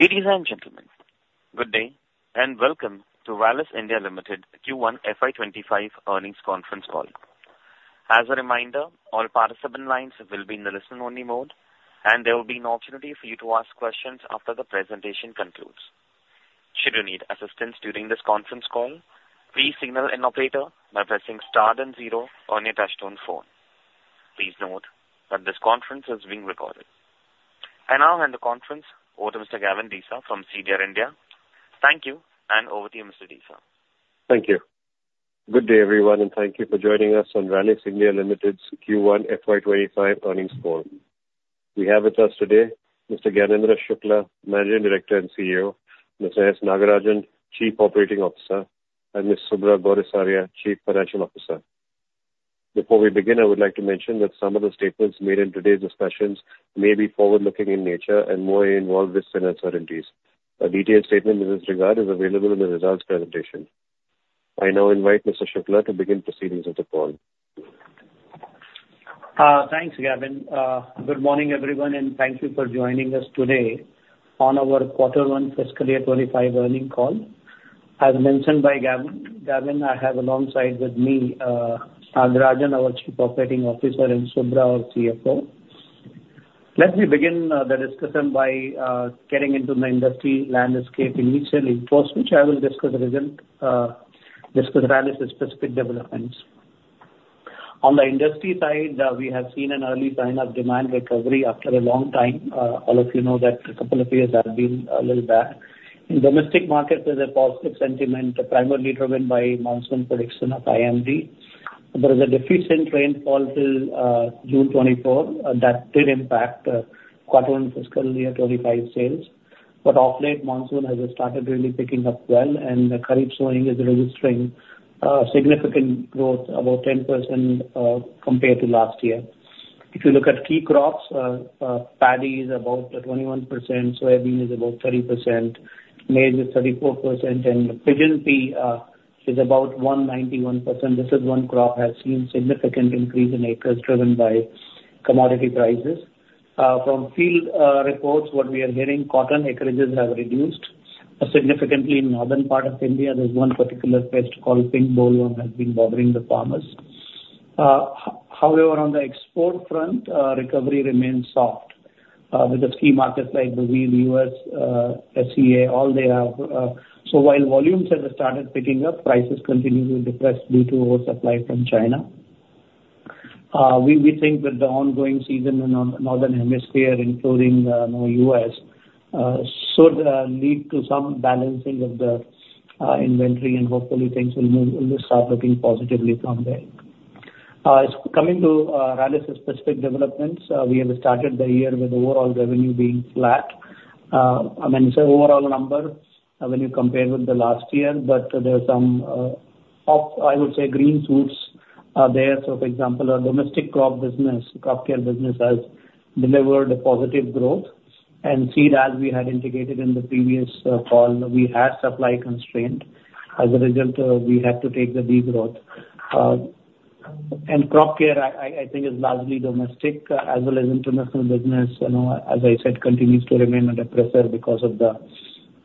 Ladies and gentlemen, good day, and welcome to Rallis India Limited Q1 FY25 earnings conference call. As a reminder, all participant lines will be in the listen-only mode, and there will be an opportunity for you to ask questions after the presentation concludes. Should you need assistance during this conference call, please signal an operator by pressing star then zero on your touchtone phone. Please note that this conference is being recorded. I now hand the conference over to Mr. Gavin Desa from CDR India. Thank you, and over to you, Mr. Desa. Thank you. Good day, everyone, and thank you for joining us on Rallis India Limited's Q1 FY25 earnings call. We have with us today Mr. Gyanendra Shukla, Managing Director and CEO, Mr. S. Nagarajan, Chief Operating Officer, and Ms. Subhra Gourisaria, Chief Financial Officer. Before we begin, I would like to mention that some of the statements made in today's discussions may be forward-looking in nature and more involved with certain uncertainties. A detailed statement in this regard is available in the results presentation. I now invite Mr. Shukla to begin proceedings of the call. Thanks, Gavin. Good morning, everyone, and thank you for joining us today on our quarter 1 fiscal year 25 earnings call. As mentioned by Gavin, Gavin, I have alongside with me, Nagarajan, our Chief Operating Officer, and Subhra, our CFO. Let me begin, the discussion by, getting into the industry landscape initially, post which I will discuss the result, discuss Rallis' specific developments. On the industry side, we have seen an early sign of demand recovery after a long time. All of you know that a couple of years have been a little bad. In domestic markets, there's a positive sentiment, primarily driven by monsoon prediction of IMD. There is a deficient rainfall till, June 2024, that did impact, quarter 1 fiscal year 25 sales. But of late monsoon has started really picking up well, and the kharif sowing is registering significant growth, about 10%, compared to last year. If you look at key crops, paddy is about 21%, soybean is about 30%, maize is 34%, and pigeon pea is about 191%. This is one crop has seen significant increase in acres driven by commodity prices. From field reports, what we are hearing, cotton acreages have reduced significantly in northern part of India. There's one particular pest called pink bollworm has been bothering the farmers. However, on the export front, recovery remains soft with the key markets like the EU, US, SEA, all they have. So while volumes have started picking up, prices continue to depress due to oversupply from China. We think that the ongoing season in northern hemisphere, including, you know, US, should lead to some balancing of the inventory, and hopefully things will move, will start looking positively from there. Coming to Rallis' specific developments, we have started the year with overall revenue being flat. I mean, it's an overall number when you compare with the last year, but there are some, I would say, green shoots are there. So, for example, our domestic crop business, crop care business, has delivered a positive growth. And seed, as we had indicated in the previous call, we had supply constraint. As a result, we had to take the de-growth. And crop care, I think, is largely domestic as well as international business, you know, as I said, continues to remain under pressure because of the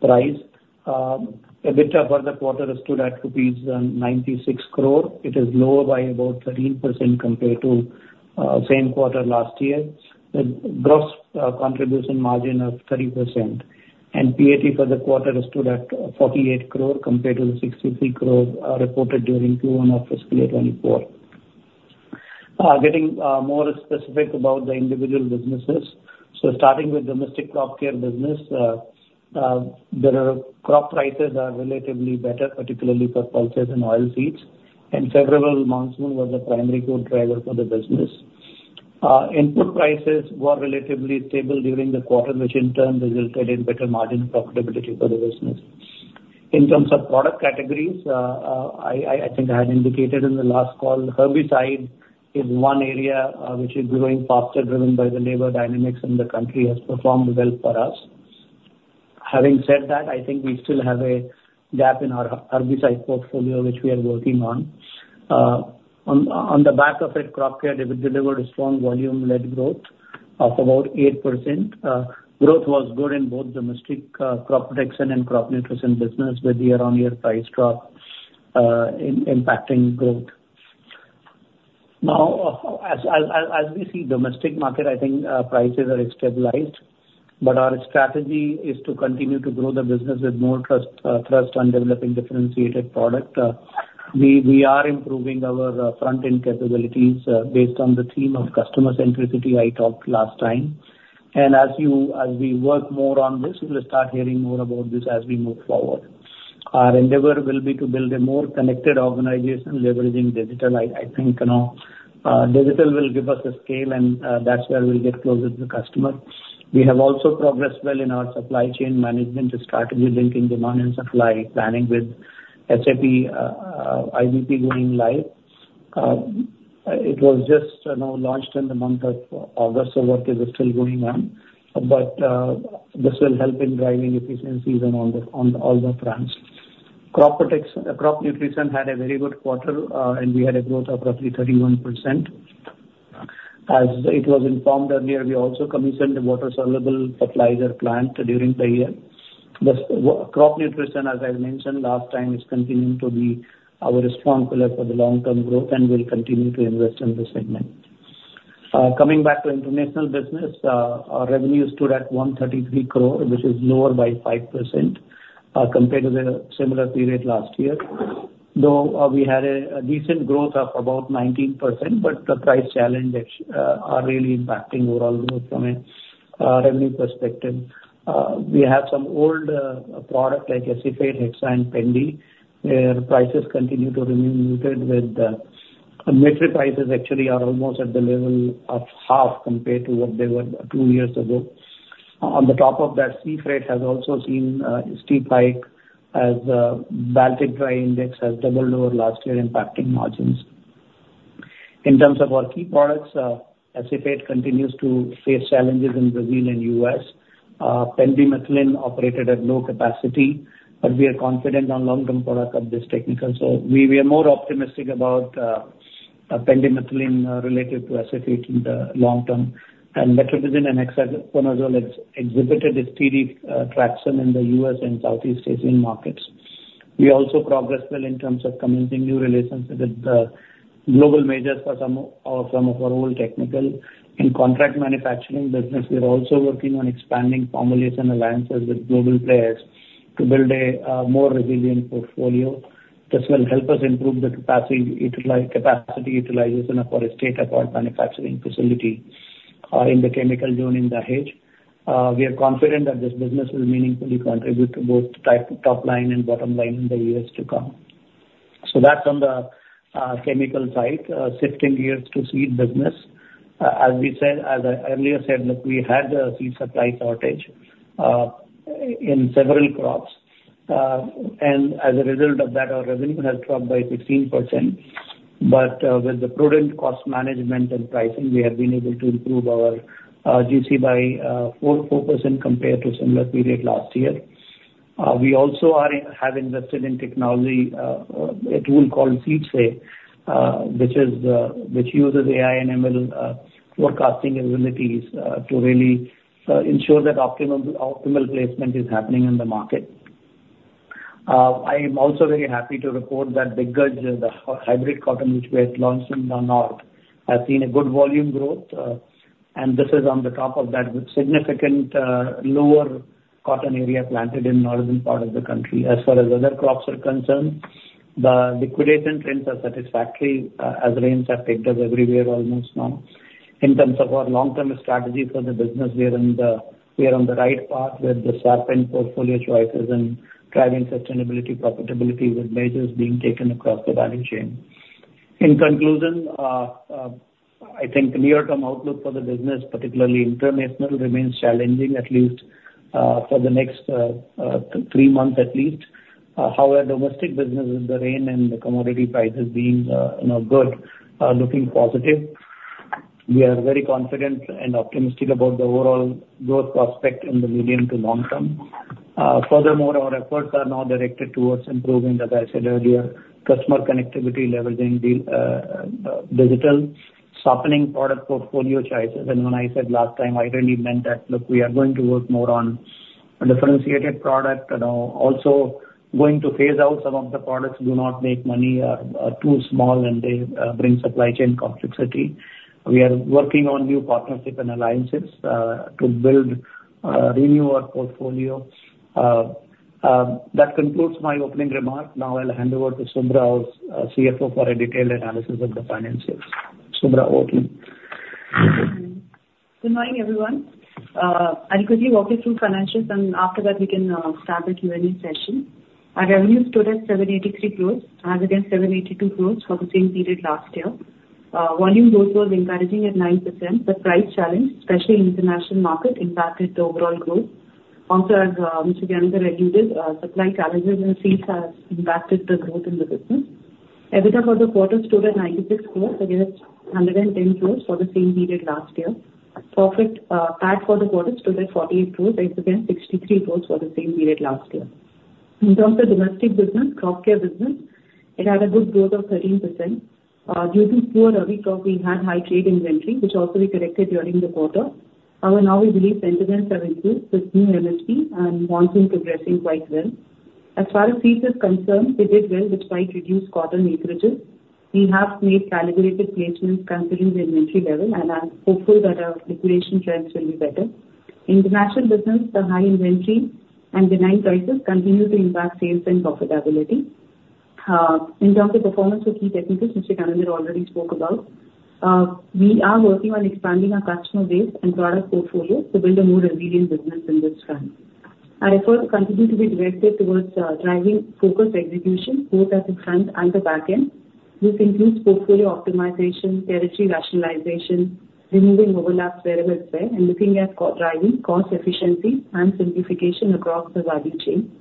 price. EBITDA for the quarter stood at rupees 96 crore. It is lower by about 13% compared to same quarter last year. The gross contribution margin of 30%, and PAT for the quarter stood at 48 crore compared to the 63 crore reported during Q1 of fiscal year 2024. Getting more specific about the individual businesses. So starting with domestic crop care business. Crop prices are relatively better, particularly for pulses and oilseeds, and favorable monsoon was the primary growth driver for the business. Input prices were relatively stable during the quarter, which in turn resulted in better margin profitability for the business. In terms of product categories, I think I had indicated in the last call, herbicide is one area, which is growing faster, driven by the labor dynamics in the country, has performed well for us. Having said that, I think we still have a gap in our herbicide portfolio, which we are working on. On the back of it, crop care delivered a strong volume-led growth of about 8%. Growth was good in both domestic crop protection and crop nutrition business, with year-on-year price drop impacting growth. Now, as we see domestic market, I think prices are stabilized, but our strategy is to continue to grow the business with more thrust on developing differentiated product. We are improving our front-end capabilities based on the theme of customer centricity I talked last time. As we work more on this, you will start hearing more about this as we move forward. Our endeavor will be to build a more connected organization, leveraging digital. I think, you know, digital will give us the scale, and that's where we'll get close with the customer. We have also progressed well in our supply chain management strategy, linking demand and supply planning with SAP IBP going live. It was just, you know, launched in the month of August, so work is still going on, but this will help in driving efficiencies on all the fronts. Crop protection— Crop nutrition had a very good quarter, and we had a growth of roughly 31%.... As it was informed earlier, we also commissioned a water-soluble fertilizer plant during the year. The crop nutrition, as I mentioned last time, is continuing to be our strong pillar for the long-term growth, and we'll continue to invest in this segment. Coming back to international business, our revenue stood at 133 crore, which is lower by 5%, compared to the similar period last year, though we had a decent growth of about 19%, but the price challenges are really impacting overall growth from a revenue perspective. We have some old product like Acephate, Hexaconazole, and Pendimethalin, where prices continue to remain muted with the Metribuzin prices actually are almost at the level of half compared to what they were two years ago. On the top of that, sea freight has also seen a steep hike as Baltic Dry Index has doubled over last year, impacting margins. In terms of our key products, Acephate continues to face challenges in Brazil and U.S. Pendimethalin operated at low capacity, but we are confident on long-term product of this technical, so we are more optimistic about Pendimethalin related to Acephate in the long term. And Metribuzin and Hexaconazole exhibited its steady traction in the U.S. and Southeast Asian markets. We also progressed well in terms of commencing new relationship with global majors for some of some of our old technical. In contract manufacturing business, we are also working on expanding formulation alliances with global players to build a more resilient portfolio. This will help us improve the capacity utilization of our state-of-the-art manufacturing facility in the chemical zone in Dahej. We are confident that this business will meaningfully contribute to both top line and bottom line in the years to come. So that's on the chemical side. Shifting gears to seed business. As I earlier said, look, we had a seed supply shortage in several crops. And as a result of that, our revenue has dropped by 15%. But with the prudent cost management and pricing, we have been able to improve our GC by 4.4% compared to similar period last year. We also have invested in technology, a tool called SeedSafe, which is which uses AI and ML forecasting abilities to really ensure that optimum, optimal placement is happening in the market. I am also very happy to report that Diggaz, the hybrid cotton which we had launched in the north, has seen a good volume growth, and this is on the top of that with significant lower cotton area planted in northern part of the country. As far as other crops are concerned, the liquidation trends are satisfactory, as rains have hit us everywhere almost now. In terms of our long-term strategy for the business, we are on the right path with the sharpened portfolio choices and driving sustainability, profitability, with measures being taken across the value chain. In conclusion, I think near-term outlook for the business, particularly international, remains challenging, at least for the next three months at least. However, domestic business with the rain and the commodity prices being, you know, good, are looking positive. We are very confident and optimistic about the overall growth prospect in the medium to long term. Furthermore, our efforts are now directed towards improving, as I said earlier, customer connectivity, leveraging the digital sharpening product portfolio choices. When I said last time, I really meant that, look, we are going to work more on a differentiated product and, also going to phase out some of the products do not make money, are too small, and they bring supply chain complexity. We are working on new partnership and alliances to build, renew our portfolio. That concludes my opening remark. Now I'll hand over to Subhra, our CFO, for a detailed analysis of the financials. Subhra, over to you. Good morning, everyone. I'll quickly walk you through financials, and after that, we can start the Q&A session. Our revenue stood at 783 crores, as against 782 crores for the same period last year. Volume growth was encouraging at 9%, but price challenge, especially in international market, impacted the overall growth. Also, as Mr. Gyanendra mentioned, supply challenges in seeds has impacted the growth in the business. EBITDA for the quarter stood at 96 crores against 110 crores for the same period last year. Profit, PAT for the quarter stood at 48 crores against 63 crores for the same period last year. In terms of domestic business, crop care business, it had a good growth of 13%. Due to poor Rabi crop, we had high trade inventory, which also we corrected during the quarter. However, now we believe sentiments are improved with new MSP and monsoon progressing quite well. As far as seeds is concerned, we did well despite reduced cotton acreages. We have made calibrated placements considering the inventory level, and I'm hopeful that our liquidation trends will be better. International business, the high inventory and the China prices continue to impact sales and profitability. In terms of performance of key technicals, which Gyanendra already spoke about, we are working on expanding our customer base and product portfolio to build a more resilient business in this trend. Our efforts continue to be directed towards driving focused execution both at the front and the back end. This includes portfolio optimization, territory rationalization, removing overlaps wherever it's there, and looking at cost efficiency and simplification across the value chain.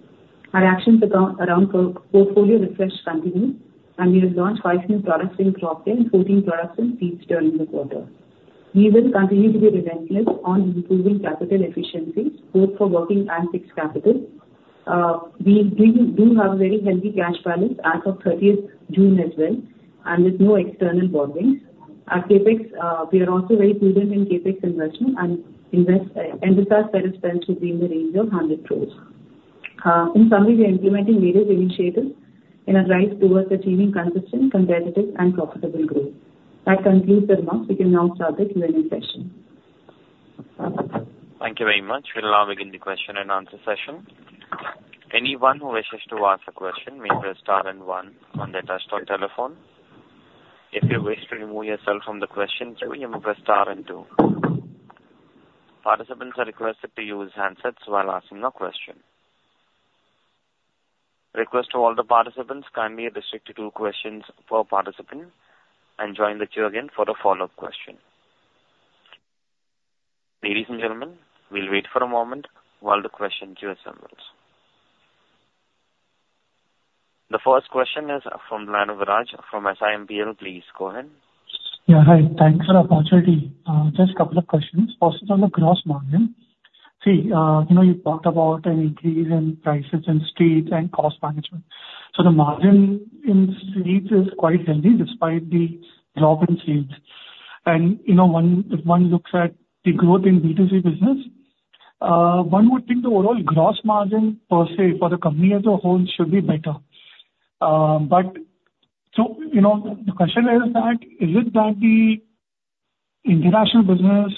Our actions around portfolio refresh continue, and we have launched 5 new products in crop and 14 products in seeds during the quarter. We will continue to be relentless on improving capital efficiency, both for working and fixed capital. We do have a very healthy cash balance as of thirtieth June as well, and with no external borrowings. Our CapEx, we are also very prudent in CapEx investment, and this year's CapEx spend should be in the range of 100 crore. In summary, we are implementing various initiatives in our drive towards achieving consistent, competitive, and profitable growth. That concludes the remarks. We can now start the Q&A session. Thank you very much. We'll now begin the question and answer session. Anyone who wishes to ask a question, may press star and one on their desktop telephone. If you wish to remove yourself from the question queue, you may press star and two. Participants are requested to use handsets while asking a question. Request to all the participants, kindly restrict to two questions per participant and join the queue again for the follow-up question. Ladies and gentlemen, we'll wait for a moment while the question queue assembles. The first question is from Viraj Kacharia from SIMPL. Please, go ahead. Yeah, hi. Thanks for the opportunity. Just a couple of questions. First, on the gross margin. See, you know, you talked about an increase in prices and seeds and cost management. So the margin in seeds is quite healthy despite the drop in seeds. And, you know, one—if one looks at the growth in B2C business, one would think the overall gross margin per se, for the company as a whole should be better. But so, you know, the question is that, is it that the international business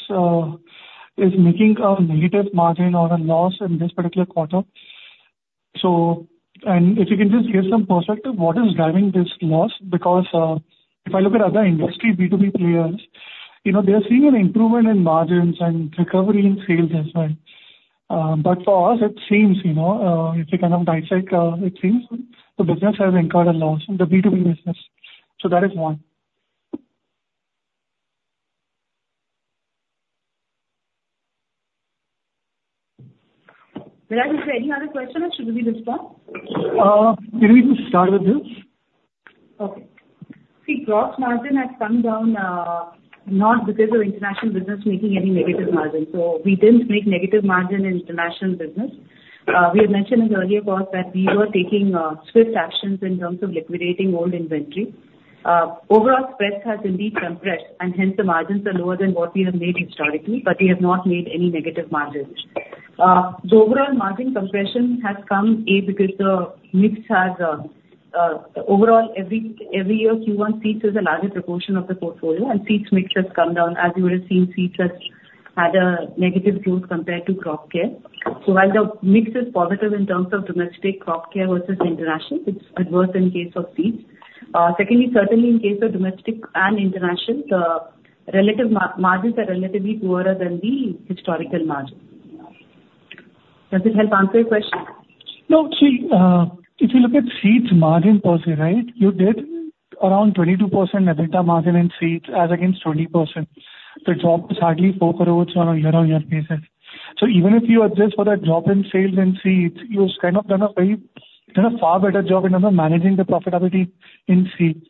is making a negative margin or a loss in this particular quarter? So, and if you can just give some perspective, what is driving this loss? Because, if I look at other industry B2B players, you know, they are seeing an improvement in margins and recovery in sales as well. But for us, it seems, you know, it's a kind of downside, it seems. The business has incurred a loss in the B2B business. So that is one. Viraj, is there any other question or should we respond? Can we just start with this? Okay. The gross margin has come down, not because of international business making any negative margin, so we didn't make negative margin in international business. We had mentioned in the earlier calls that we were taking swift actions in terms of liquidating old inventory. Overall spread has indeed compressed, and hence the margins are lower than what we have made historically, but we have not made any negative margins. The overall margin compression has come, A, because the mix has overall every year Q1 seeds is a larger proportion of the portfolio, and seeds mix has come down. As you would have seen, seeds has had a negative growth compared to crop care. So while the mix is positive in terms of domestic crop care versus international, it's adverse in case of seeds. Secondly, certainly in case of domestic and international, the relative margins are relatively poorer than the historical margins. Does it help answer your question? No. See, if you look at seeds margin per se, right, you did around 22% EBITDA margin in seeds as against 20%. The drop is hardly 4 crore on a year-on-year basis. So even if you adjust for that drop in sales in seeds, you've kind of done a very, done a far better job in terms of managing the profitability in seeds.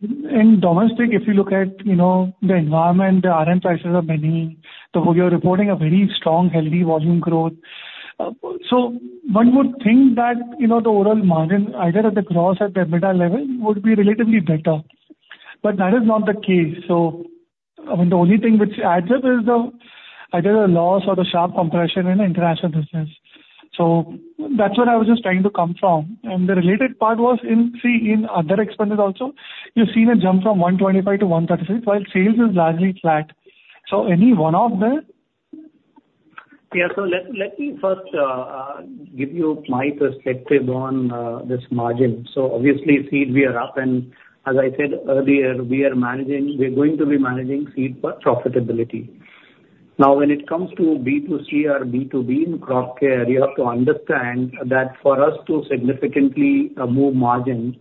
In domestic, if you look at, you know, the environment, the RM prices are many, so you're reporting a very strong, healthy volume growth. So one would think that, you know, the overall margin, either at the gross or the EBITDA level, would be relatively better. But that is not the case. So, I mean, the only thing which adds up is the, either the loss or the sharp compression in the international business. That's where I was just trying to come from. The related part was in, see, in other expenses also, you've seen a jump from 125-136, while sales is largely flat. Any one of them? Yeah. So let me first give you my perspective on this margin. So obviously, seed, we are up, and as I said earlier, we are managing. We're going to be managing seed for profitability. Now, when it comes to B2C or B2B in crop care, you have to understand that for us to significantly move margin,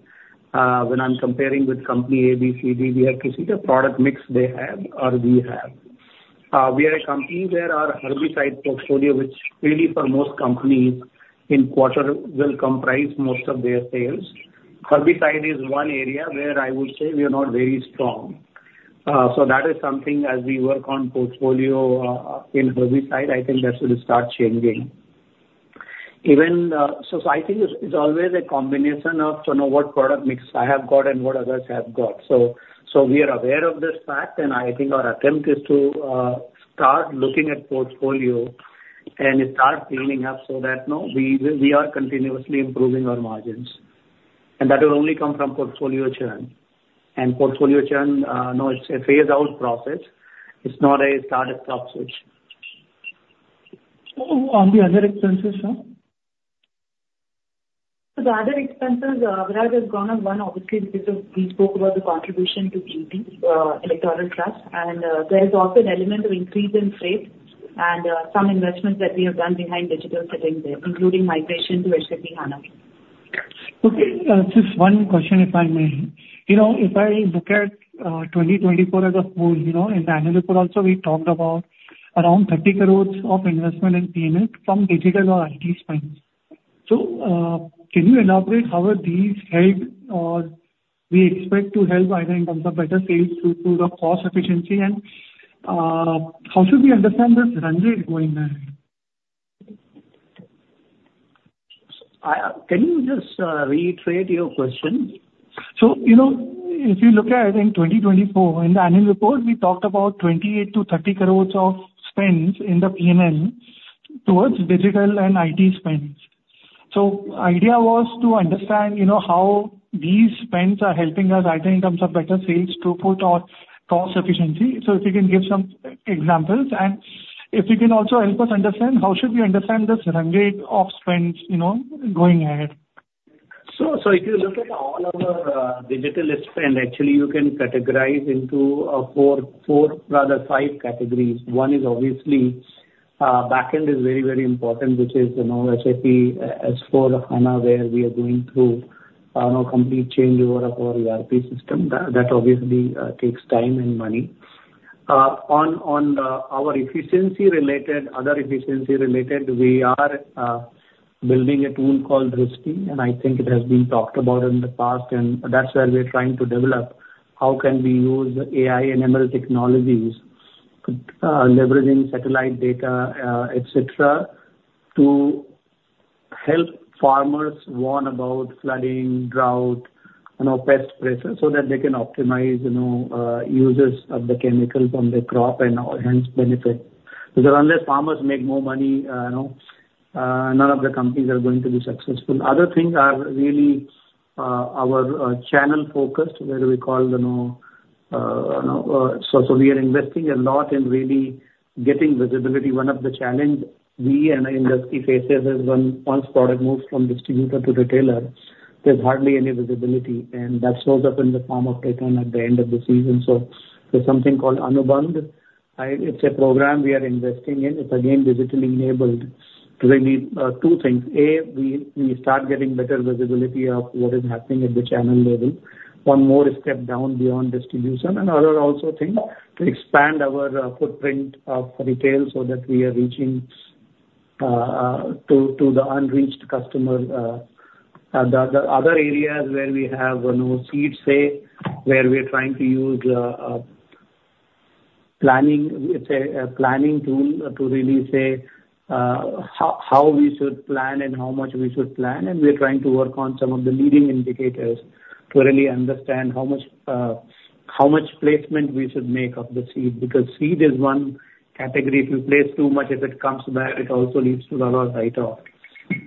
when I'm comparing with company A, B, C, D, we have to see the product mix they have or we have. We are a company where our herbicide portfolio, which really for most companies in quarter, will comprise most of their sales. Herbicide is one area where I would say we are not very strong. So that is something as we work on portfolio in herbicide, I think that should start changing. Even so, I think it's always a combination of to know what product mix I have got and what others have got. So, we are aware of this fact, and I think our attempt is to start looking at portfolio and start cleaning up so that, you know, we are continuously improving our margins. And that will only come from portfolio churn. And portfolio churn, you know, it's a phase out process. It's not a startup process. On the other expenses, sir? So the other expenses, Viraj, has gone up, one, obviously, because we spoke about the contribution to BP electoral trust, and there is also an element of increase in rates and some investments that we have done behind digital settings there, including migration to SAP S/4HANA. Okay. Just one question, if I may. You know, if I look at 2024 as a whole, you know, in the annual report also, we talked about around 30 crore of investment in P&L from digital or IT spends. So, can you elaborate how are these helped or we expect to help either in terms of better sales through the cost efficiency, and how should we understand this range going there? I, can you just, reiterate your question? So, you know, if you look at, I think, 2024, in the annual report, we talked about 28-30 crore of spends in the P&L towards digital and IT spends. So idea was to understand, you know, how these spends are helping us either in terms of better sales throughput or cost efficiency. So if you can give some examples, and if you can also help us understand how should we understand this range of spends, you know, going ahead? So if you look at all of our digital spend, actually you can categorize into four, four rather five categories. One is obviously back end is very, very important, which is, you know, SAP S/4HANA, where we are going through, you know, complete changeover of our ERP system. That obviously takes time and money. On the other efficiency related, we are building a tool called Drishti, and I think it has been talked about in the past, and that's where we're trying to develop how can we use AI and ML technologies, leveraging satellite data, et cetera, to help farmers warn about flooding, drought, you know, pest pressure, so that they can optimize, you know, uses of the chemical from the crop and hence benefit. Because unless farmers make more money, you know, none of the companies are going to be successful. Other things are really, our channel focus, where we call, you know... So we are investing a lot in really getting visibility. One of the challenge we and the industry faces is when once product moves from distributor to retailer, there's hardly any visibility, and that shows up in the form of return at the end of the season. So there's something called Anubandh. It's a program we are investing in. It's again, digitally enabled to really, two things: A, we, we start getting better visibility of what is happening at the channel level, one more step down beyond distribution. And another thing, to expand our footprint of retail so that we are reaching to the unreached customer. The other areas where we have, you know, SeedSafe, where we are trying to use planning, it's a planning tool to really say how we should plan and how much we should plan. And we are trying to work on some of the leading indicators to really understand how much placement we should make of the seed, because seed is one category. If you place too much, if it comes back, it also leads to a lot of write-off.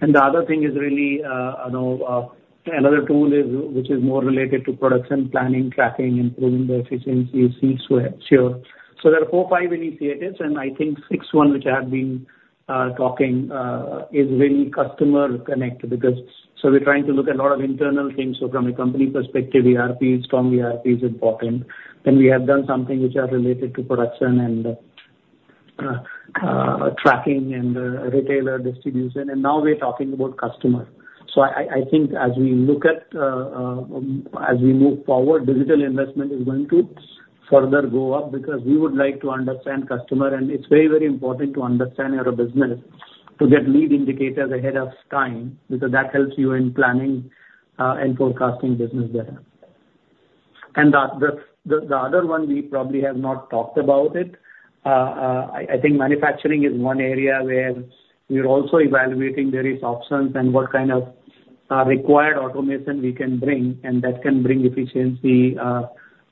And the other thing is really, you know, another tool is, which is more related to production, planning, tracking, improving the efficiency of SeedSafe. So there are 4, 5 initiatives, and I think sixth one, which I have been talking is really customer connected. Because so we're trying to look at a lot of internal things. So from a company perspective, ERP is strong, ERP is important. Then we have done something which are related to production and tracking and retailer distribution, and now we're talking about customer. So I think as we look at as we move forward, digital investment is going to further go up because we would like to understand customer, and it's very, very important to understand your business to get lead indicators ahead of time, because that helps you in planning and forecasting business better. And the other one, we probably have not talked about it. I think manufacturing is one area where we are also evaluating various options and what kind of required automation we can bring, and that can bring efficiency,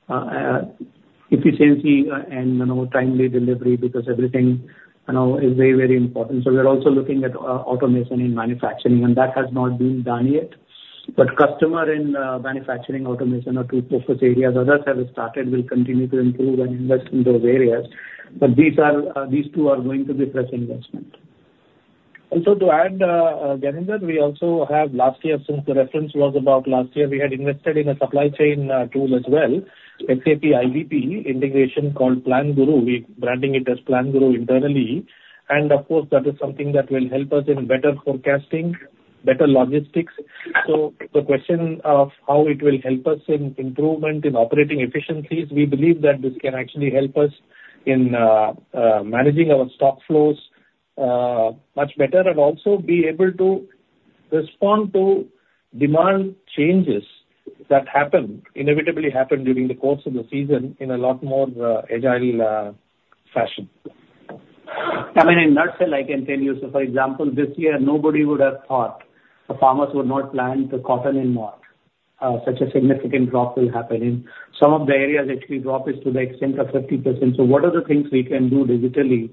efficiency, and, you know, timely delivery, because everything, you know, is very, very important. So we're also looking at automation in manufacturing, and that has not been done yet. But customer and manufacturing automation are two focus areas. Others have started, will continue to improve and invest in those areas, but these are, these two are going to be fresh investment. Also, to add, Gyanendra, we also have last year, since the reference was about last year, we had invested in a supply chain tool as well, SAP IBP integration called Plan Guru. We're branding it as Plan Guru internally, and of course, that is something that will help us in better forecasting, better logistics. So the question of how it will help us in improvement in operating efficiencies, we believe that this can actually help us in managing our stock flows much better, and also be able to respond to demand changes that happen, inevitably happen during the course of the season in a lot more agile fashion. I mean, in a nutshell, I can tell you. So, for example, this year, nobody would have thought the farmers would not plant the cotton in March. Such a significant drop will happen, in some of the areas actually drop is to the extent of 50%. So what are the things we can do digitally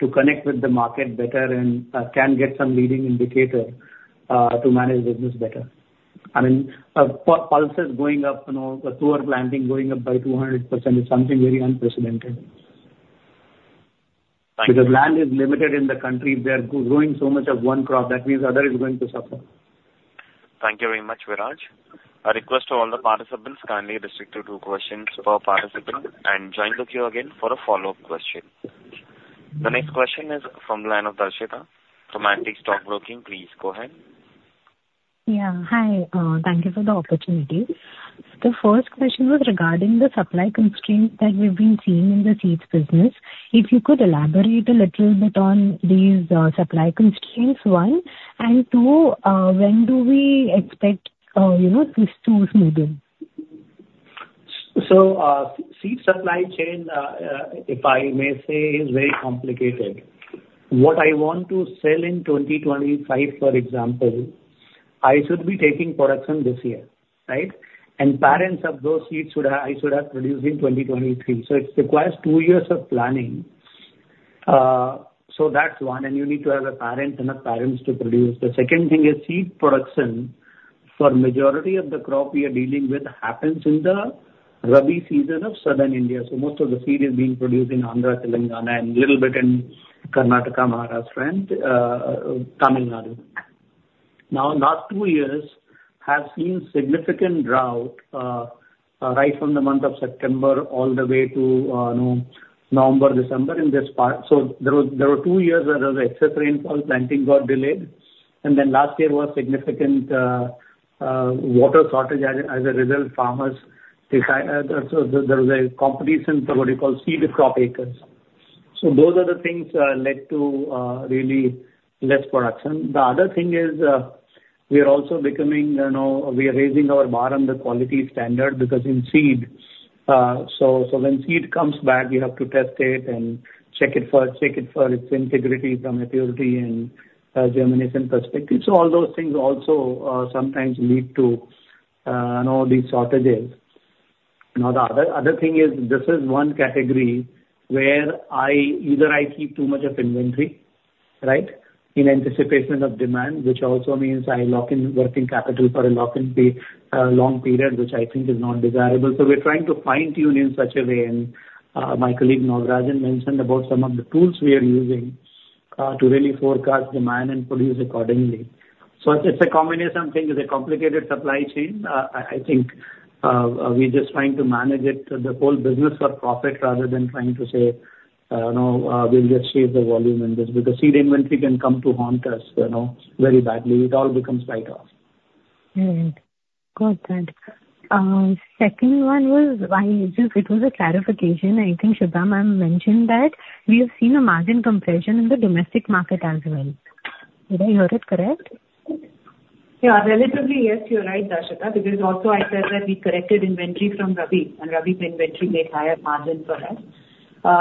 to connect with the market better and can get some leading indicator to manage business better? I mean, pulses going up, you know, the pulse planting going up by 200% is something very unprecedented. Thank you. Because land is limited in the country. They are growing so much of one crop, that means other is going to suffer. Thank you very much, Viraj. A request to all the participants, kindly restrict it to questions per participant and join the queue again for a follow-up question. The next question is from the line of Darshita from Antique Stock Broking. Please go ahead. Yeah. Hi. Thank you for the opportunity. The first question was regarding the supply constraints that we've been seeing in the seeds business. If you could elaborate a little bit on these supply constraints, one, and two, when do we expect, you know, these to smoothen? ...So, seed supply chain, if I may say, is very complicated. What I want to sell in 2025, for example, I should be taking production this year, right? And parents of those seeds should have, I should have produced in 2023. So it requires two years of planning. So that's one, and you need to have a parent, enough parents to produce. The second thing is seed production, for majority of the crop we are dealing with, happens in the Rabi season of Southern India. So most of the seed is being produced in Andhra, Telangana, and little bit in Karnataka, Maharashtra, and, Tamil Nadu. Now, last two years have seen significant drought, right from the month of September all the way to, you know, November, December in this part. So there was, there were two years where there was excess rainfall, planting got delayed, and then last year was significant water shortage. As a result, there was a competition for what you call seed crop acres. So those are the things led to really less production. The other thing is, we are also becoming, you know, we are raising our bar on the quality standard, because in seed, so, so when seed comes back, we have to test it and check it for, check it for its integrity, from purity and germination perspective. So all those things also sometimes lead to, you know, these shortages. Now, the other, other thing is, this is one category where I, either I keep too much of inventory, right? In anticipation of demand, which also means I lock in working capital for a lock-in period, which I think is not desirable. So we're trying to fine-tune in such a way, and my colleague, Nagarajan, mentioned about some of the tools we are using to really forecast demand and produce accordingly. So it's a combination of things, it's a complicated supply chain. I think we're just trying to manage it, the whole business for profit, rather than trying to say, you know, we'll just shave the volume in this. Because seed inventory can come to haunt us, you know, very badly. It all becomes write-offs. Right. Got that. Second one was, it was a clarification. I think Subhra, I mentioned that we have seen a margin compression in the domestic market as well. Did I hear it correct? Yeah, relatively, yes, you're right, Darshita, because also I said that we corrected inventory from Rabi, and Rabi's inventory made higher margin for us.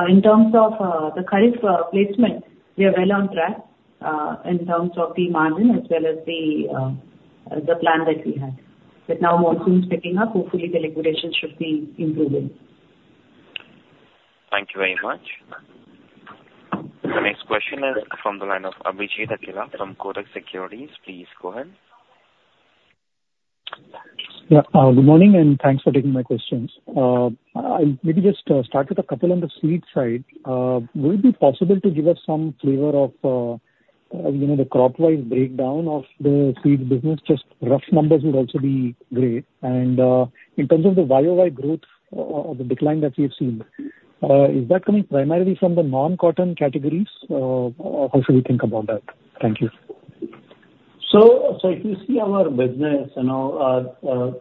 In terms of the current placement, we are well on track in terms of the margin as well as the plan that we had. But now monsoon is picking up, hopefully the liquidation should be improving. Thank you very much. The next question is from the line of Abhijit Akella from Kotak Securities. Please go ahead. Yeah, good morning, and thanks for taking my questions. I maybe just start with a couple on the seed side. Would it be possible to give us some flavor of, you know, the crop-wise breakdown of the seed business? Just rough numbers would also be great. And, in terms of the Y-o-Y growth, or the decline that we've seen, is that coming primarily from the non-cotton categories, or how should we think about that? Thank you. So, if you see our business, you know,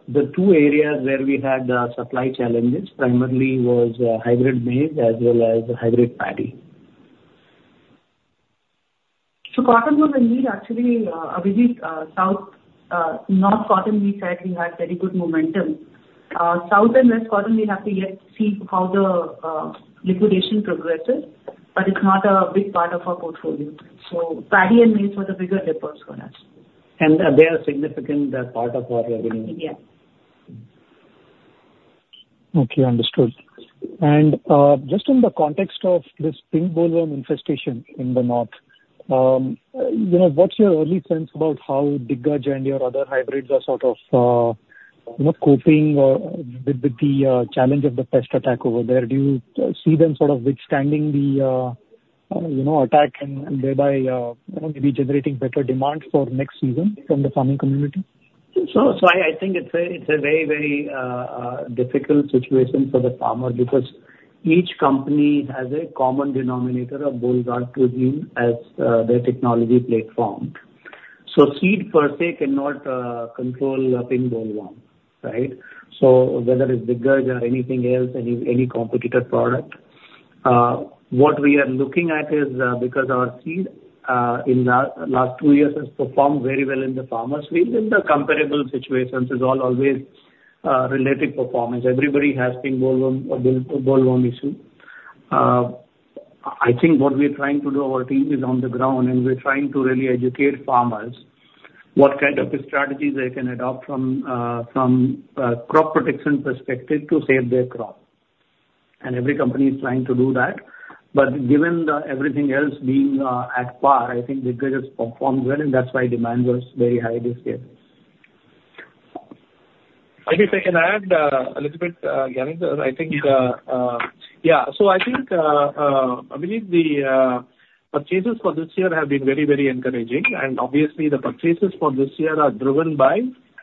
the two areas where we had supply challenges primarily was hybrid maize as well as hybrid paddy. So cotton was indeed actually, Abhijit. South, north cotton, we said we had very good momentum. South and west cotton, we have to yet see how the liquidation progresses, but it's not a big part of our portfolio. So paddy and maize were the bigger ripples for us. And they are a significant part of our revenue. Yeah. Okay, understood. And, just in the context of this pink bollworm infestation in the north, you know, what's your early sense about how Diggaz and your other hybrids are sort of, you know, coping, with, with the, you know, attack and, and thereby, you know, maybe generating better demand for next season from the farming community? So, I think it's a very difficult situation for the farmer, because each company has a common denominator of Bollgard gene as their technology platform. So seed per se cannot control the pink bollworm, right? So whether it's Diggaz or anything else, any competitor product, what we are looking at is, because our seed in the last two years has performed very well in the farmer's field, in the comparable situations, is all always relative performance. Everybody has pink bollworm bollworm issue. I think what we're trying to do, our team is on the ground, and we're trying to really educate farmers what kind of a strategy they can adopt from crop protection perspective to save their crop. And every company is trying to do that. But given everything else being at par, I think Diggaz has performed well, and that's why demand was very high this year. Abhijit, I can add a little bit. I think... Yeah, so I think, I believe the purchases for this year have been very, very encouraging, and obviously the purchases for this year are driven by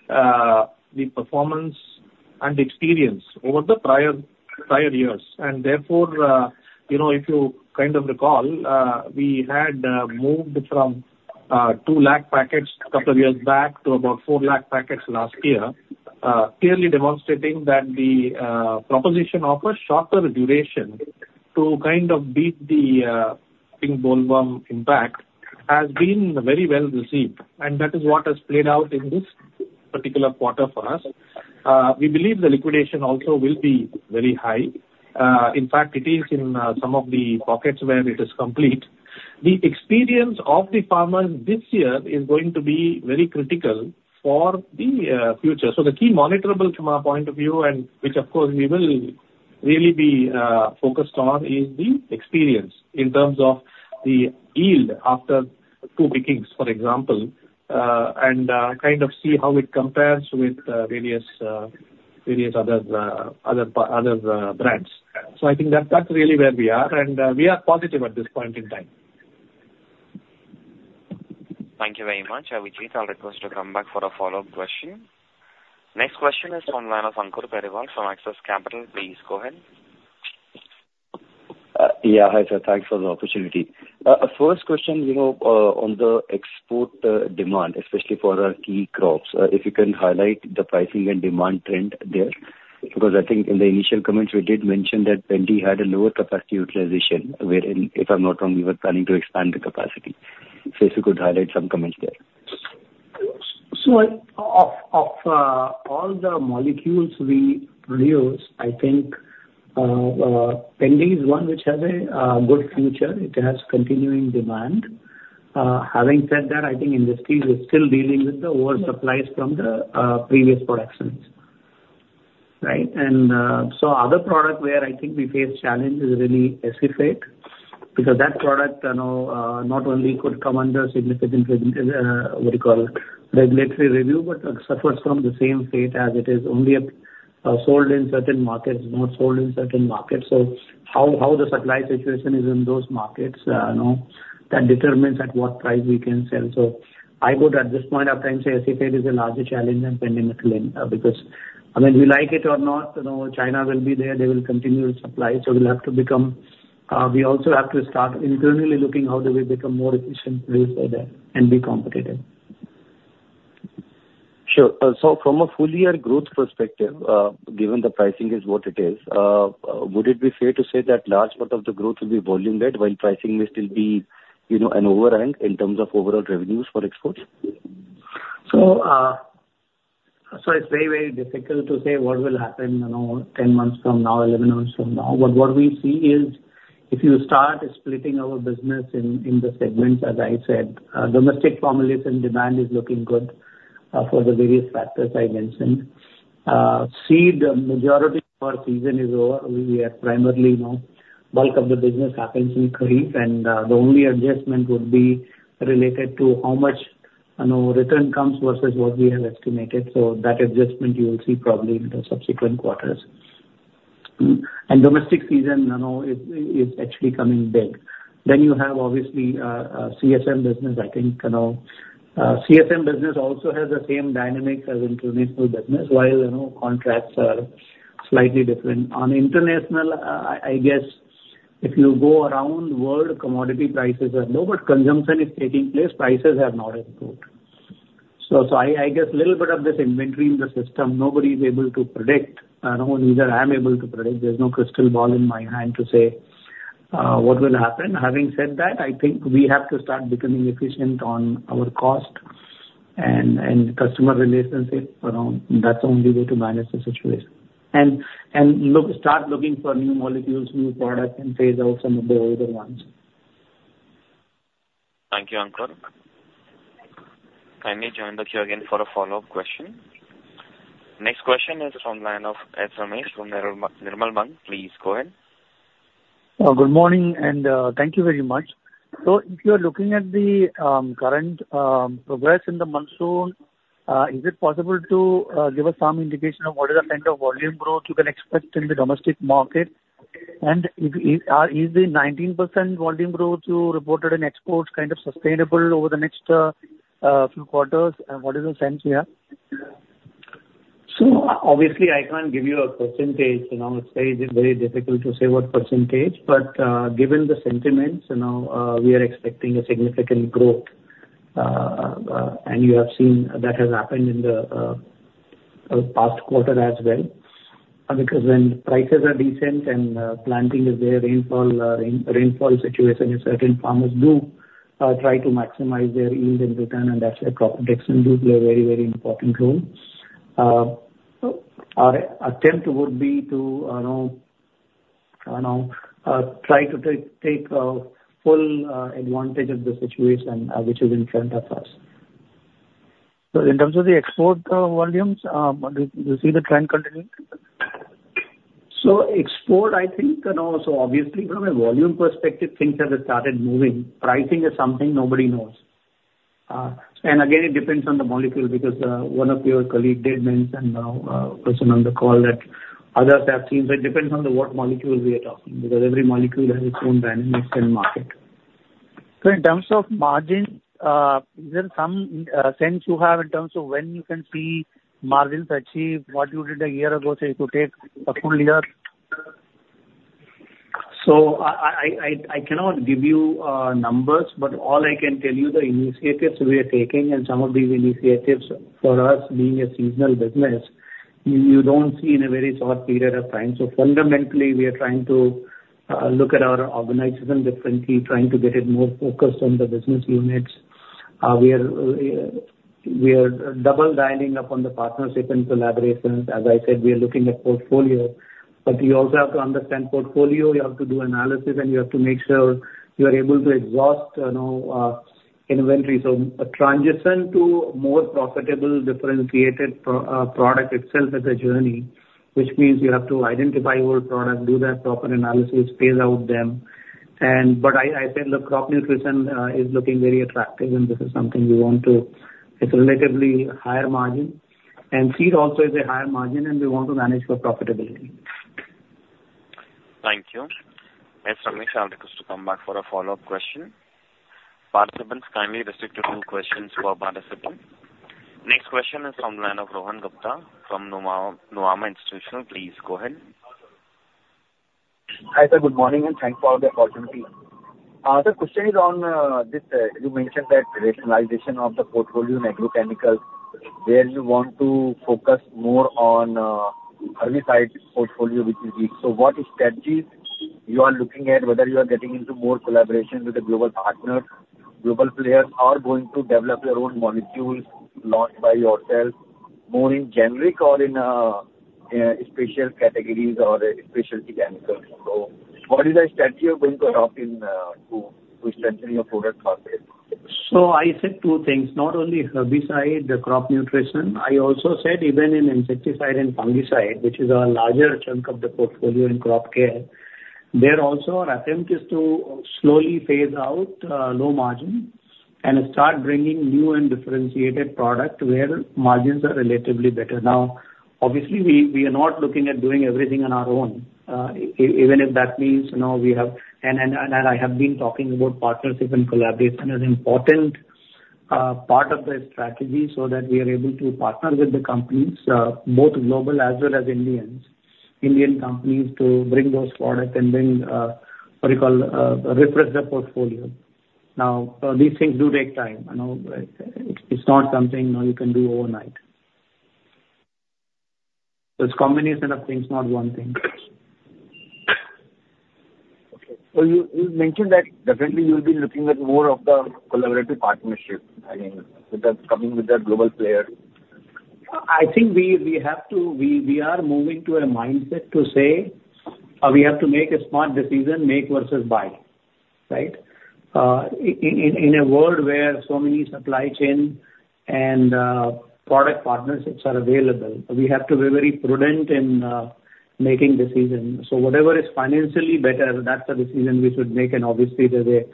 the performance and the experience over the prior, prior years. And therefore, you know, if you kind of recall, we had moved from 200,000 packets a couple years back to about 400,000 packets last year. Clearly demonstrating that the proposition of a shorter duration-... to kind of beat the pink bollworm impact has been very well received, and that is what has played out in this particular quarter for us. We believe the liquidation also will be very high. In fact, it is in some of the pockets where it is complete. The experience of the farmers this year is going to be very critical for the future. So the key monitorable from our point of view, and which, of course, we will really be focused on, is the experience in terms of the yield after two pickings, for example, and kind of see how it compares with various other brands. So I think that's really where we are, and we are positive at this point in time. Thank you very much, Abhijit. I'll request you to come back for a follow-up question. Next question is from line of Ankur Periwal from Axis Capital. Please go ahead. Yeah, hi, sir. Thanks for the opportunity. First question, you know, on the export demand, especially for our key crops. If you can highlight the pricing and demand trend there, because I think in the initial comments you did mention that Pendi had a lower capacity utilization wherein, if I'm not wrong, you were planning to expand the capacity. So if you could highlight some comments there. So of all the molecules we produce, I think, pendi is one which has a good future. It has continuing demand. Having said that, I think industries are still dealing with the oversupply from the previous productions, right? And so other product where I think we face challenge is really acephate, because that product, you know, not only could come under significant, what do you call it? Regulatory review, but suffers from the same fate as it is only sold in certain markets, not sold in certain markets. So how the supply situation is in those markets, you know, that determines at what price we can sell. So I would, at this point of time, say Acephate is a larger challenge than Pendimethalin, because, I mean, we like it or not, you know, China will be there, they will continue to supply, so we'll have to become... We also have to start internally looking how do we become more efficient with that and be competitive. Sure. So from a full year growth perspective, given the pricing is what it is, would it be fair to say that large part of the growth will be volume-led, while pricing will still be, you know, an overhang in terms of overall revenues for exports? So, so it's very, very difficult to say what will happen, you know, 10 months from now, 11 months from now. But what we see is, if you start splitting our business in the segments, as I said, domestic formulation demand is looking good, for the various factors I mentioned. Seed, majority of our season is over. We are primarily, you know, bulk of the business happens in Kharif, and the only adjustment would be related to how much, you know, return comes versus what we have estimated. So that adjustment you will see probably in the subsequent quarters. And domestic season, you know, is actually coming big. Then you have obviously CSM business. I think, you know, CSM business also has the same dynamics as international business, while, you know, contracts are slightly different. On international, I guess if you go around world, commodity prices are low, but consumption is taking place, prices have not improved. So, I guess a little bit of this inventory in the system, nobody is able to predict. I know neither I am able to predict. There's no crystal ball in my hand to say, what will happen. Having said that, I think we have to start becoming efficient on our cost and customer relationship. You know, that's the only way to manage the situation. And look, start looking for new molecules, new products, and phase out some of the older ones. Thank you, Ankur. Kindly join the queue again for a follow-up question. Next question is from line of S. Ramesh from Nirmal Bang. Please go ahead. Good morning, and thank you very much. So if you are looking at the current progress in the monsoon, is it possible to give us some indication of what is the kind of volume growth you can expect in the domestic market? And is the 19% volume growth you reported in exports kind of sustainable over the next few quarters, and what is the sense you have? Obviously, I can't give you a percentage. You know, it's very, very difficult to say what percentage, but given the sentiments, you know, we are expecting a significant growth. You have seen that has happened in the past quarter as well. Because when prices are decent and planting is there, rainfall situation is certain, farmers do try to maximize their yield and return, and that's where crop protection do play a very, very important role. Our attempt would be to, you know, you know, try to take full advantage of the situation, which is in front of us. In terms of the export volumes, do you see the trend continuing? So, export, I think, you know, so obviously from a volume perspective, things have started moving. Pricing is something nobody knows. And again, it depends on the molecule, because one of your colleagues did mention, person on the call, that others have seen, but it depends on the what molecule we are talking, because every molecule has its own dynamics and market. In terms of margins, is there some sense you have in terms of when you can see margins achieve what you did a year ago, say, if you take a full year? So I cannot give you numbers, but all I can tell you the initiatives we are taking and some of these initiatives, for us being a seasonal business, you don't see in a very short period of time. So fundamentally, we are trying to look at our organization differently, trying to get it more focused on the business units. We are double dialing up on the partnership and collaborations. As I said, we are looking at portfolio, but we also have to understand portfolio, we have to do analysis, and we have to make sure we are able to exhaust, you know, inventory. So a transition to more profitable, differentiated product itself is a journey, which means you have to identify your product, do that proper analysis, phase out them. But I said, look, crop nutrition is looking very attractive and this is something we want to. It's a relatively higher margin, and seed also is a higher margin, and we want to manage for profitability. Thank you. Thanks, Ramesh, I'll request you to come back for a follow-up question. Participants, kindly restrict to two questions per participant. Next question is from the line of Rohan Gupta from Nuvama Institutional. Please go ahead. Hi, sir. Good morning, and thanks for the opportunity. The question is on this, you mentioned that rationalization of the portfolio in agrochemicals, where you want to focus more on herbicide portfolio, which is weak. So what strategies you are looking at, whether you are getting into more collaboration with the global partners, global players, or going to develop your own molecules launched by yourself, more in generic or in special categories or specialty chemicals? So what is the strategy you're going to adopt in to strengthening your product market? So I said two things, not only herbicide, crop nutrition. I also said even in insecticide and fungicide, which is a larger chunk of the portfolio in crop care, there also our attempt is to slowly phase out low margins and start bringing new and differentiated product where margins are relatively better. Now, obviously, we are not looking at doing everything on our own, even if that means, you know, we have... And I have been talking about partnership and collaboration as important part of the strategy so that we are able to partner with the companies, both global as well as Indian companies, to bring those products and then, what do you call, refresh their portfolio. Now, these things do take time. I know, it's not something, you know, you can do overnight. It's a combination of things, not one thing. Okay. So you mentioned that definitely you'll be looking at more of the collaborative partnerships, I mean, with the coming with the global players. I think we have to. We are moving to a mindset to say, we have to make a smart decision, make versus buy, right? In a world where so many supply chain and product partnerships are available, we have to be very prudent in making decisions. So whatever is financially better, that's the decision we should make, and obviously, there's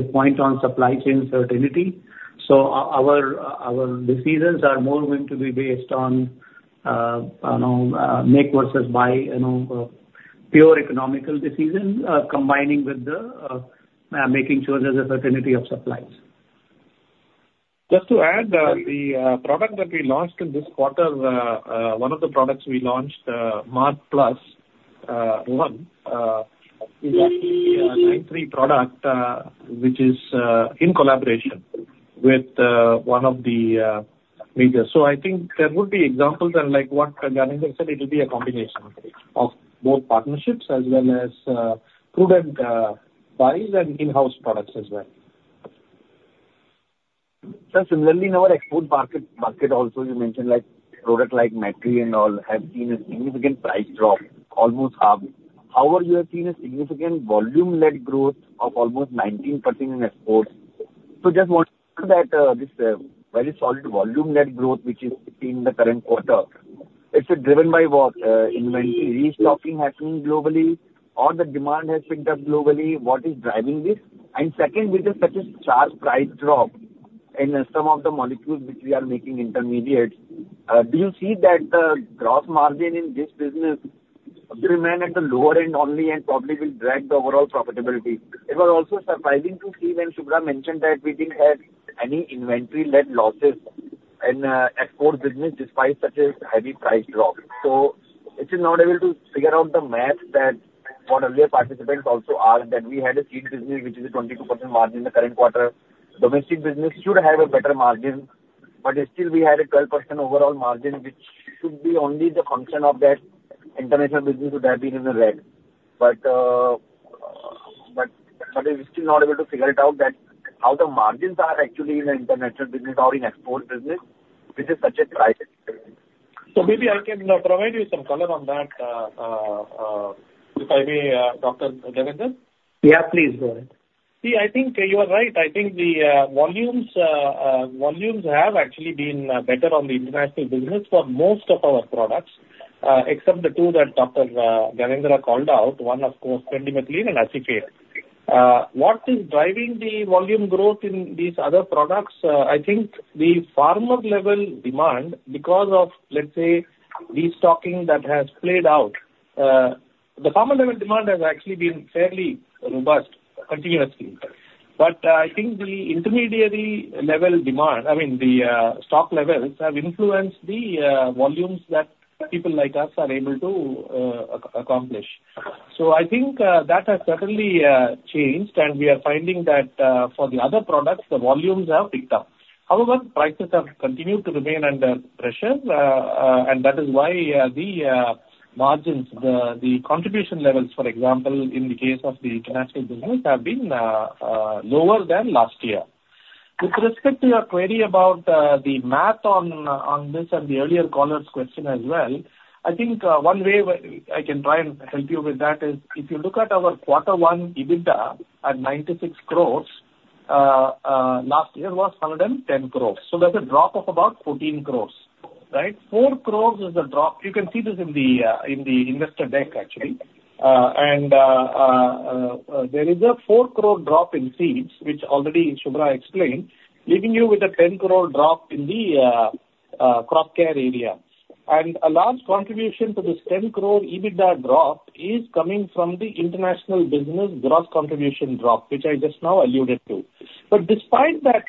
a point on supply chain certainty. So our decisions are more going to be based on, you know, make versus buy, you know, pure economical decisions, combining with making sure there's a certainty of supplies. Just to add, the product that we launched in this quarter, one of the products we launched, Mark Plus, one, is a 9(3 product, which is, in collaboration with, one of the leaders. So I think there would be examples and like what Gyanendra said, it will be a combination of both partnerships as well as, prudent buys and in-house products as well. Sir, similarly, in our export market, market also you mentioned, like, product like Metri and all, have seen a significant price drop, almost half. However, you have seen a significant volume-led growth of almost 19% in exports. So just want to know that, this, very solid volume-led growth, which is between the current quarter, is it driven by what? Inventory restocking happening globally, or the demand has picked up globally, what is driving this? And second, with such a sharp price drop in some of the molecules which we are making intermediates, do you see that the gross margin in this business will remain at the lower end only and probably will drag the overall profitability? It was also surprising to see when Subhra mentioned that we didn't have any inventory-led losses in, export business despite such a heavy price drop. So it is not able to figure out the math that what earlier participants also asked, that we had a seed business which is a 22% margin in the current quarter. Domestic business should have a better margin, but still we had a 12% overall margin, which should be only the function of that international business would have been in the red. But we're still not able to figure it out that how the margins are actually in the international business or in export business with such a price? Maybe I can provide you some color on that, if I may, Dr. Gyanendra. Yeah, please go ahead. See, I think you are right. I think the volumes have actually been better on the international business for most of our products, except the two that Dr. Gyanendra called out, one, of course, Pendimethalin and Acephate. What is driving the volume growth in these other products? I think the farmer level demand, because of, let's say, restocking that has played out, the farmer level demand has actually been fairly robust continuously. But I think the intermediary level demand, I mean, the stock levels have influenced the volumes that people like us are able to accomplish. So I think that has certainly changed, and we are finding that for the other products, the volumes have picked up. However, prices have continued to remain under pressure. And that is why, the margins, the contribution levels, for example, in the case of the international business, have been lower than last year. With respect to your query about the math on this and the earlier caller's question as well, I think one way where I can try and help you with that is, if you look at our quarter one EBITDA at 96 crores, last year was 110 crores. So that's a drop of about 14 crores, right? 4 crores is the drop. You can see this in the investor deck, actually. And there is a 4 crore drop in seeds, which already Subhra explained, leaving you with a 10 crore drop in the crop care area. A large contribution to this 10 crore EBITDA drop is coming from the international business gross contribution drop, which I just now alluded to. But despite that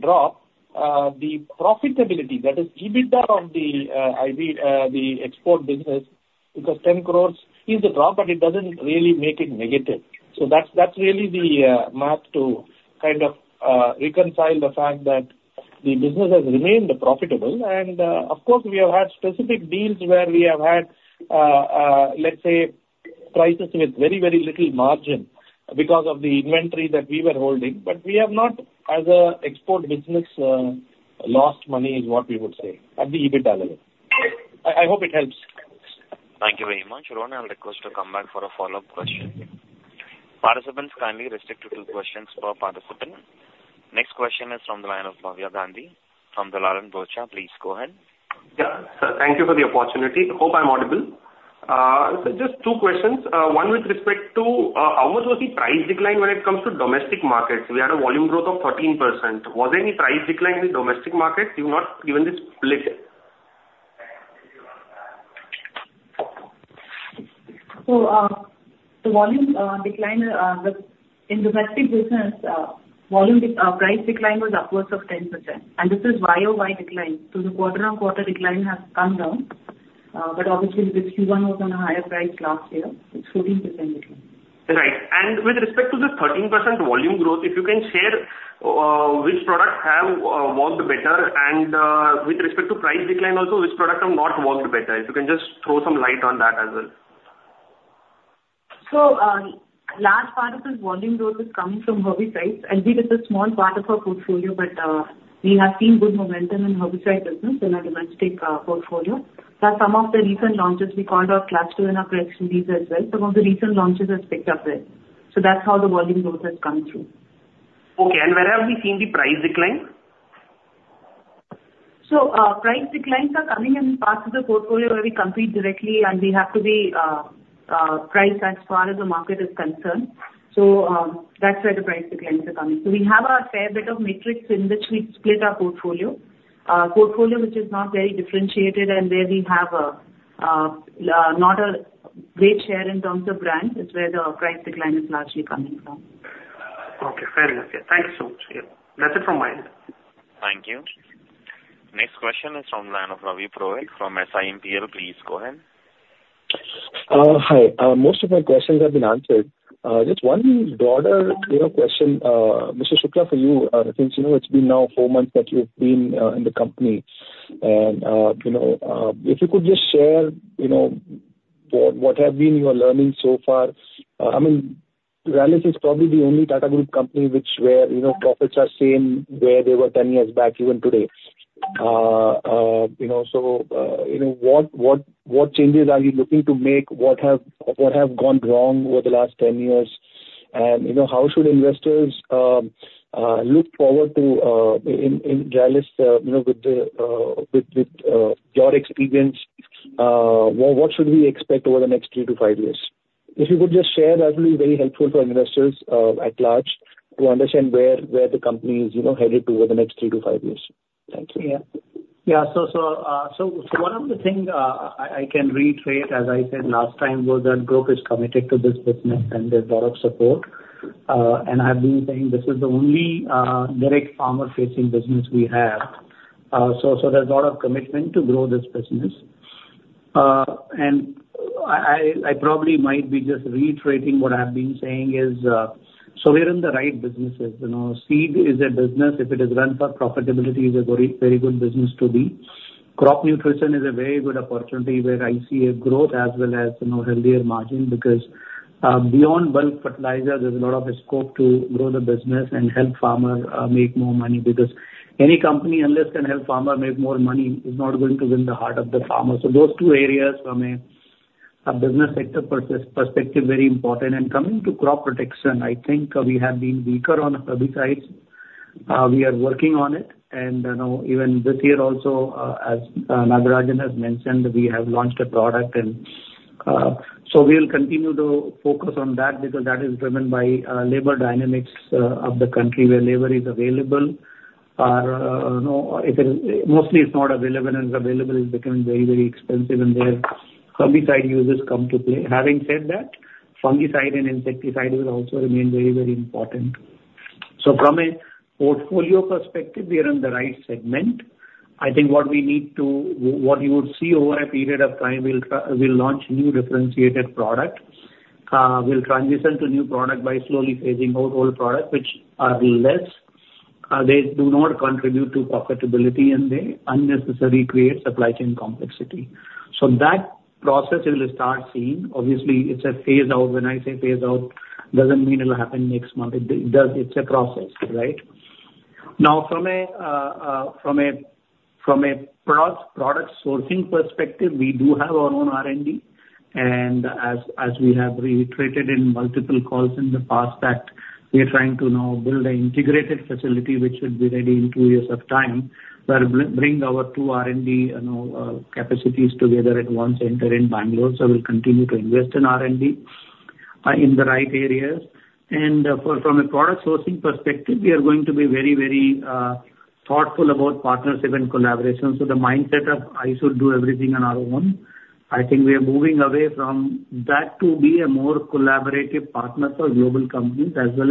drop, the profitability, that is, EBITDA on the IB, the export business, because 10 crores is a drop, but it doesn't really make it negative. So that's, that's really the math to kind of reconcile the fact that the business has remained profitable. And, of course, we have had specific deals where we have had, let's say, prices with very, very little margin because of the inventory that we were holding. But we have not, as a export business, lost money, is what we would say, at the EBITDA level. I hope it helps. Thank you very much. Rohan, I'll request to come back for a follow-up question. Participants, kindly restrict to two questions per participant. Next question is from the line of Bhavya Gandhi from Dalal & Broacha. Please go ahead. Yeah. Sir, thank you for the opportunity. Hope I'm audible. Just two questions. One with respect to, ours was the price decline when it comes to domestic markets. We had a volume growth of 13%. Was there any price decline in the domestic market? You've not given this split. So, the volume decline in domestic business, volume price decline was upwards of 10%, and this is Y-o-Y decline. So the quarter-on-quarter decline has come down, but obviously this Q1 was on a higher price last year. It's 14% decline. Right. And with respect to the 13% volume growth, if you can share, which products have worked better and, with respect to price decline also, which products have not worked better? If you can just throw some light on that as well. So, last part of this volume growth is coming from herbicides, and it is a small part of our portfolio, but, we have seen good momentum in herbicide business in our domestic, portfolio. Plus, some of the recent launches we called out, Clasto and Prexin, these as well. Some of the recent launches have picked up well. So that's how the volume growth has come through. Okay, and where have we seen the price decline? So, price declines are coming in parts of the portfolio where we compete directly, and we have to be priced as far as the market is concerned. So, that's where the price declines are coming. So we have a fair bit of matrix in which we've split our portfolio, which is not very differentiated, and where we have not a great share in terms of brand, is where the price decline is largely coming from. Okay, fair enough. Yeah, thanks so much. Yeah. That's it from my end. Thank you. Next question is from line of Ravi Purohit from SiMPL. Please go ahead. Hi. Most of my questions have been answered. Just one broader, you know, question, Mr. Shukla, for you. I think, you know, it's been now four months that you've been in the company. And, you know, if you could just share, you know, for what have been your learnings so far. I mean, Rallis is probably the only Tata Group company which where, you know, profits are same where they were 10 years back, even today. You know, so, you know, what, what, what changes are you looking to make? What have, what have gone wrong over the last 10 years? You know, how should investors look forward to in Rallis, you know, with your experience, what should we expect over the next 3 to 5 years? If you could just share, that'll be very helpful for investors at large, to understand where the company is, you know, headed toward the next 3 to 5 years. Thank you. Yeah. Yeah. So one of the things I can reiterate, as I said last time, was that group is committed to this business and there's a lot of support. And I've been saying this is the only direct farmer-facing business we have. So there's a lot of commitment to grow this business. And I probably might be just reiterating what I've been saying is, so we're in the right businesses. You know, seed is a business, if it is run for profitability, is a very, very good business to be. Crop nutrition is a very good opportunity where I see a growth as well as, you know, healthier margin, because beyond bulk fertilizer, there's a lot of scope to grow the business and help farmers make more money. Because any company, unless can help farmer make more money, is not going to win the heart of the farmer. So those two areas from a business sector perspective, very important. And coming to crop protection, I think we have been weaker on the herbicides. We are working on it. And, you know, even this year also, as Nagarajan has mentioned, we have launched a product and so we will continue to focus on that because that is driven by labor dynamics of the country, where labor is available. Or, you know, if it, mostly it's not available, and it's available, it's becoming very, very expensive, and there, herbicide users come to play. Having said that, fungicide and insecticide will also remain very, very important.... So from a portfolio perspective, we are in the right segment. I think what we need to, what you would see over a period of time, we'll launch new differentiated products. We'll transition to new product by slowly phasing out old products which are less, they do not contribute to profitability, and they unnecessarily create supply chain complexity. So that process you will start seeing. Obviously, it's a phase out. When I say phase out, doesn't mean it'll happen next month. It does, it's a process, right? Now, from a, from a product sourcing perspective, we do have our own R&D. As we have reiterated in multiple calls in the past that we are trying to now build an integrated facility, which should be ready in two years' time, where we bring our two R&D capacities together, you know, at one center in Bengaluru. So we'll continue to invest in R&D in the right areas. From a product sourcing perspective, we are going to be very, very thoughtful about partnership and collaboration. So the mindset of I should do everything on our own, I think we are moving away from that to be a more collaborative partner for global companies as well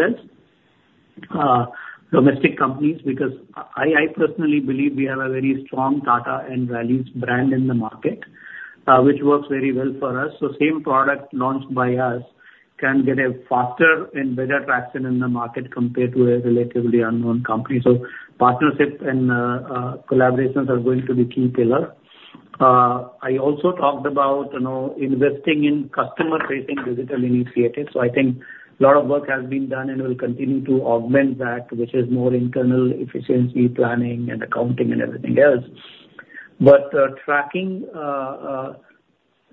as domestic companies. Because I personally believe we have a very strong Tata values brand in the market, which works very well for us. So same product launched by us can get a faster and better traction in the market compared to a relatively unknown company. So partnerships and collaborations are going to be key pillar. I also talked about, you know, investing in customer-facing digital initiatives. So I think a lot of work has been done and will continue to augment that, which is more internal efficiency planning and accounting and everything else. But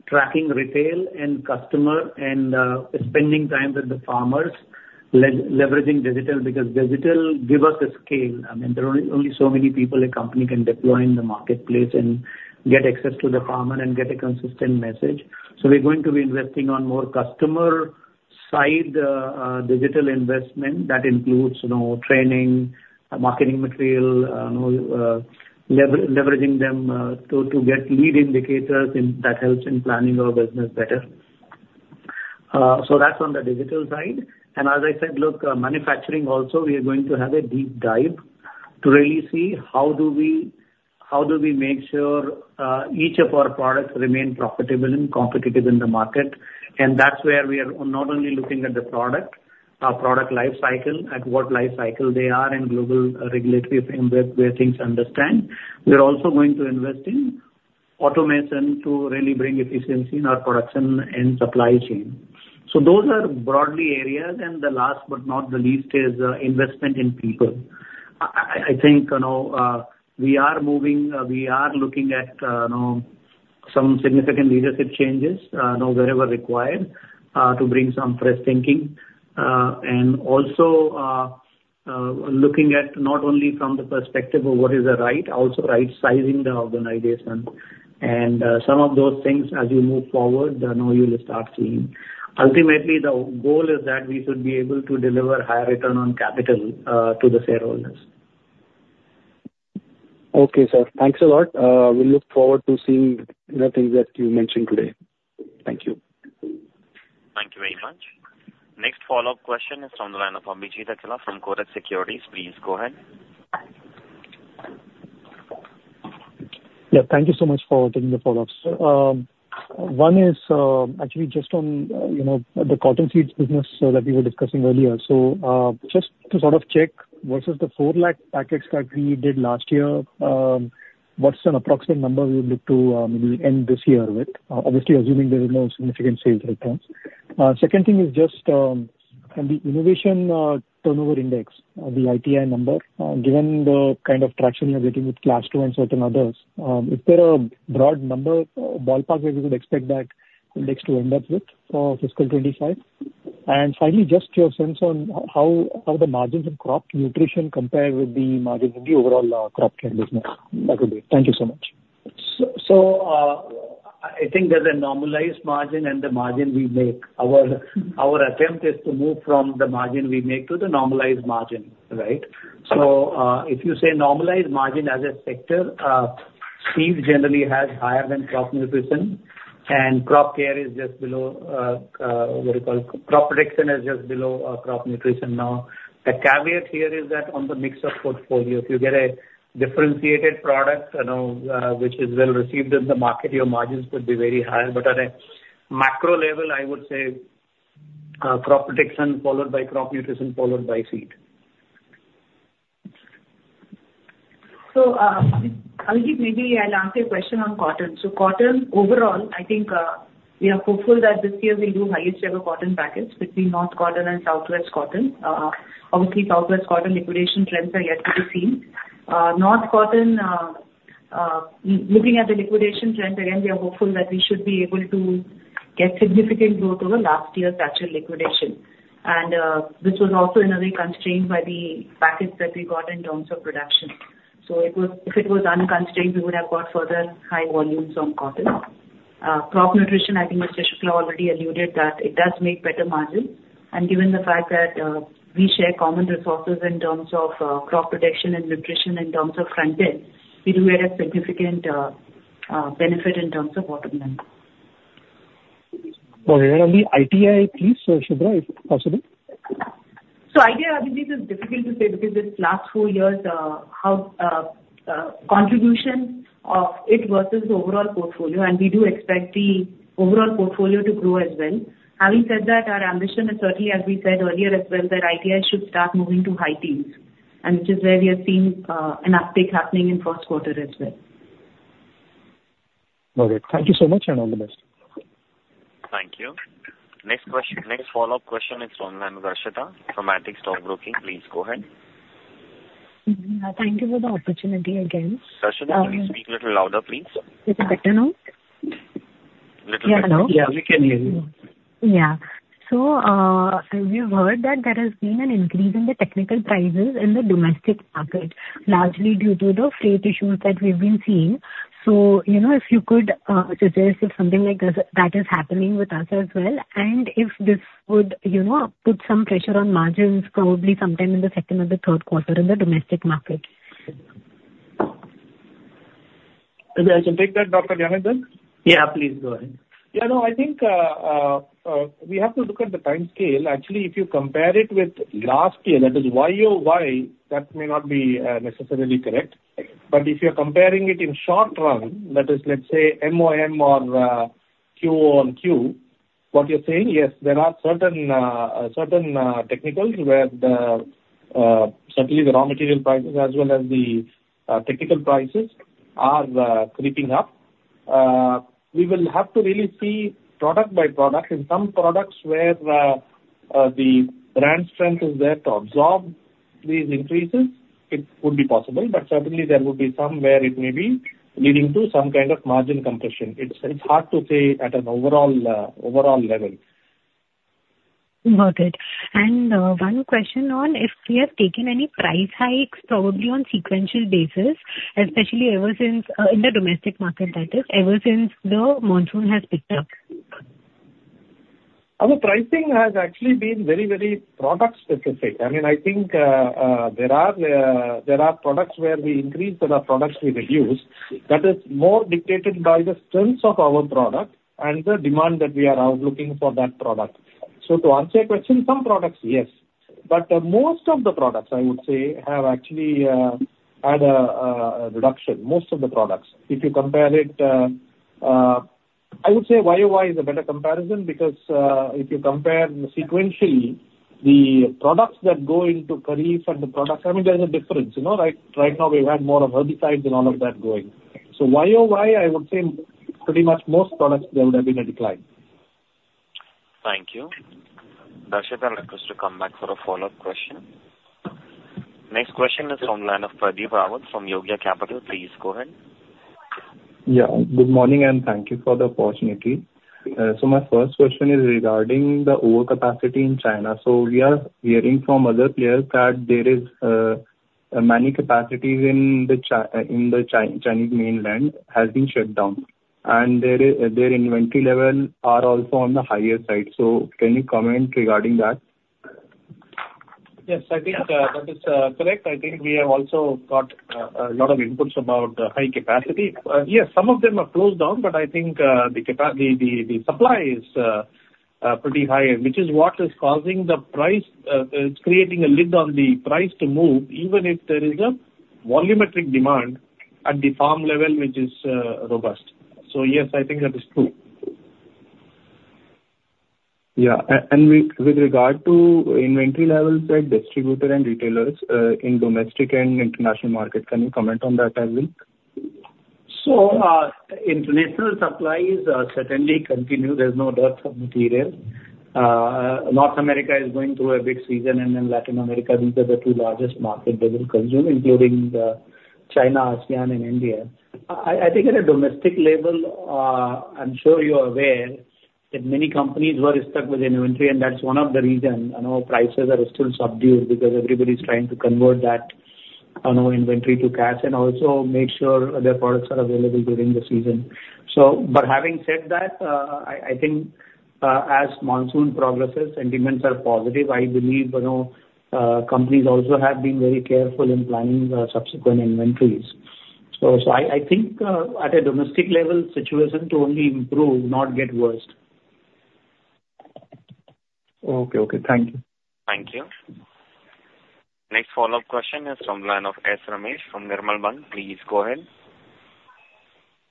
tracking retail and customer and spending time with the farmers, leveraging digital, because digital give us a scale. I mean, there are only so many people a company can deploy in the marketplace and get access to the farmer and get a consistent message. So we're going to be investing on more customer side digital investment. That includes, you know, training, marketing material, you know, leveraging them, to get lead indicators, and that helps in planning our business better. So that's on the digital side. And as I said, look, manufacturing also, we are going to have a deep dive to really see how do we make sure, each of our products remain profitable and competitive in the market? And that's where we are not only looking at the product, our product life cycle, at what life cycle they are in global regulatory framework, where things stand. We are also going to invest in automation to really bring efficiency in our production and supply chain. So those are broadly areas. And the last but not the least is, investment in people. I think, you know, we are moving, we are looking at, you know, some significant leadership changes, you know, wherever required, to bring some fresh thinking. And also, looking at not only from the perspective of what is the right, also right sizing the organization. And, some of those things, as we move forward, I know you'll start seeing. Ultimately, the goal is that we should be able to deliver higher return on capital, to the shareholders. Okay, sir. Thanks a lot. We look forward to seeing the things that you mentioned today. Thank you. Thank you very much. Next follow-up question is from the line of Abhijit Akela from Kotak Securities. Please go ahead. Yeah, thank you so much for taking the follow-ups. One is actually just on, you know, the cotton seeds business that we were discussing earlier. So, just to sort of check, versus the 4 lakh packets that we did last year, what's an approximate number we would look to maybe end this year with? Obviously, assuming there is no significant sales returns. Second thing is just on the innovation turnover index, the ITI number. Given the kind of traction you're getting with Clasto and certain others, is there a broad number ballpark that you would expect that index to end up with for fiscal 2025? And finally, just your sense on how the margins in crop nutrition compare with the margin in the overall crop care business? That would be it. Thank you so much. So, I think there's a normalized margin and the margin we make. Our attempt is to move from the margin we make to the normalized margin, right? So, if you say normalized margin as a sector, seeds generally has higher than crop nutrition, and crop care is just below, what do you call it? Crop protection is just below crop nutrition. Now, the caveat here is that on the mix of portfolio, if you get a differentiated product, you know, which is well received in the market, your margins could be very high. But at a macro level, I would say, crop protection, followed by crop nutrition, followed by seed. So, Abhijit, maybe I'll answer your question on cotton. So cotton, overall, I think, we are hopeful that this year we'll do highest ever cotton packets between North cotton and Southwest cotton. Obviously, Southwest cotton liquidation trends are yet to be seen. North cotton, looking at the liquidation trend, again, we are hopeful that we should be able to get significant growth over last year's actual liquidation. And, this was also in a way constrained by the packets that we got in terms of production. So it was—if it was unconstrained, we would have got further high volumes on cotton. Crop nutrition, I think Mr. Shukla already alluded that it does make better margin. Given the fact that we share common resources in terms of crop protection and nutrition, in terms of front-end, we do get a significant benefit in terms of bottom line.... Well, where are the ITI keys, so Subhra, if possible? ITI, Abhijit, is difficult to say because this last four years, contribution of it versus the overall portfolio, and we do expect the overall portfolio to grow as well. Having said that, our ambition is certainly, as we said earlier as well, that ITI should start moving to high teens, and which is where we have seen, an uptick happening in first quarter as well. Okay, thank you so much, and all the best. Thank you. Next follow-up question is from Darshita, from Antique Stock Broking. Please go ahead. Thank you for the opportunity again. Darshita, can you speak a little louder, please? Is it better now? Little better. Yeah, hello? Yeah, we can hear you. Yeah. So, we've heard that there has been an increase in the technical prices in the domestic market, largely due to the freight issues that we've been seeing. So, you know, if you could suggest if something like this, that is happening with us as well, and if this would, you know, put some pressure on margins, probably sometime in the second or the third quarter in the domestic market? Abhijit, I can take that, Dr. Gyanendra? Yeah, please go ahead. Yeah, no, I think, we have to look at the timescale. Actually, if you compare it with last year, that is Y-O-Y, that may not be, necessarily correct. But if you're comparing it in short run, that is, let's say, M-O-M or, Q-O-Q, what you're saying, yes, there are certain, technicals where the, certainly the raw material prices as well as the, technical prices are, creeping up. We will have to really see product by product. In some products where, the brand strength is there to absorb these increases, it would be possible, but certainly there would be some where it may be leading to some kind of margin compression. It's hard to say at an overall, overall level. Got it. And, one question on if we have taken any price hikes, probably on sequential basis, especially ever since, in the domestic market, that is, ever since the monsoon has picked up? Our pricing has actually been very, very product specific. I mean, I think, there are products where we increase and products we reduce. That is more dictated by the strength of our product and the demand that we are out looking for that product. So to answer your question, some products, yes. But most of the products, I would say, have actually had a reduction, most of the products. If you compare it, I would say Y-O-Y is a better comparison because, if you compare sequentially, the products that go into Kharif and the products... I mean, there's a difference, you know, right? Right now, we have more of herbicides and all of that going. So Y-O-Y, I would say pretty much most products there would have been a decline. Thank you. Darshita, I'll request you to come back for a follow-up question. Next question is from line of Pradeep Rawat from Yogya Capital. Please go ahead. Yeah, good morning, and thank you for the opportunity. So my first question is regarding the overcapacity in China. So we are hearing from other players that there is many capacities in the Chinese mainland has been shut down, and their inventory level are also on the higher side. So can you comment regarding that? Yes, I think that is correct. I think we have also got a lot of inputs about high capacity. Yes, some of them are closed down, but I think the supply is pretty high, which is what is causing the price creating a lid on the price to move, even if there is a volumetric demand at the farm level, which is robust. So yes, I think that is true. Yeah. With regard to inventory levels at distributor and retailers, in domestic and international markets, can you comment on that as well? So, international supplies certainly continue. There's no dearth of material. North America is going through a big season, and then Latin America, these are the two largest markets that will consume, including China, ASEAN and India. I think at a domestic level, I'm sure you're aware that many companies were stuck with inventory, and that's one of the reasons, you know, prices are still subdued, because everybody's trying to convert that, you know, inventory to cash, and also make sure their products are available during the season. So... but having said that, I think, as monsoon progresses, sentiments are positive. I believe, you know, companies also have been very careful in planning subsequent inventories. So, I think, at a domestic level, situation to only improve, not get worse. Okay, okay. Thank you. Thank you. Next follow-up question is from the line of S. Ramesh, from Nirmal Bang. Please go ahead.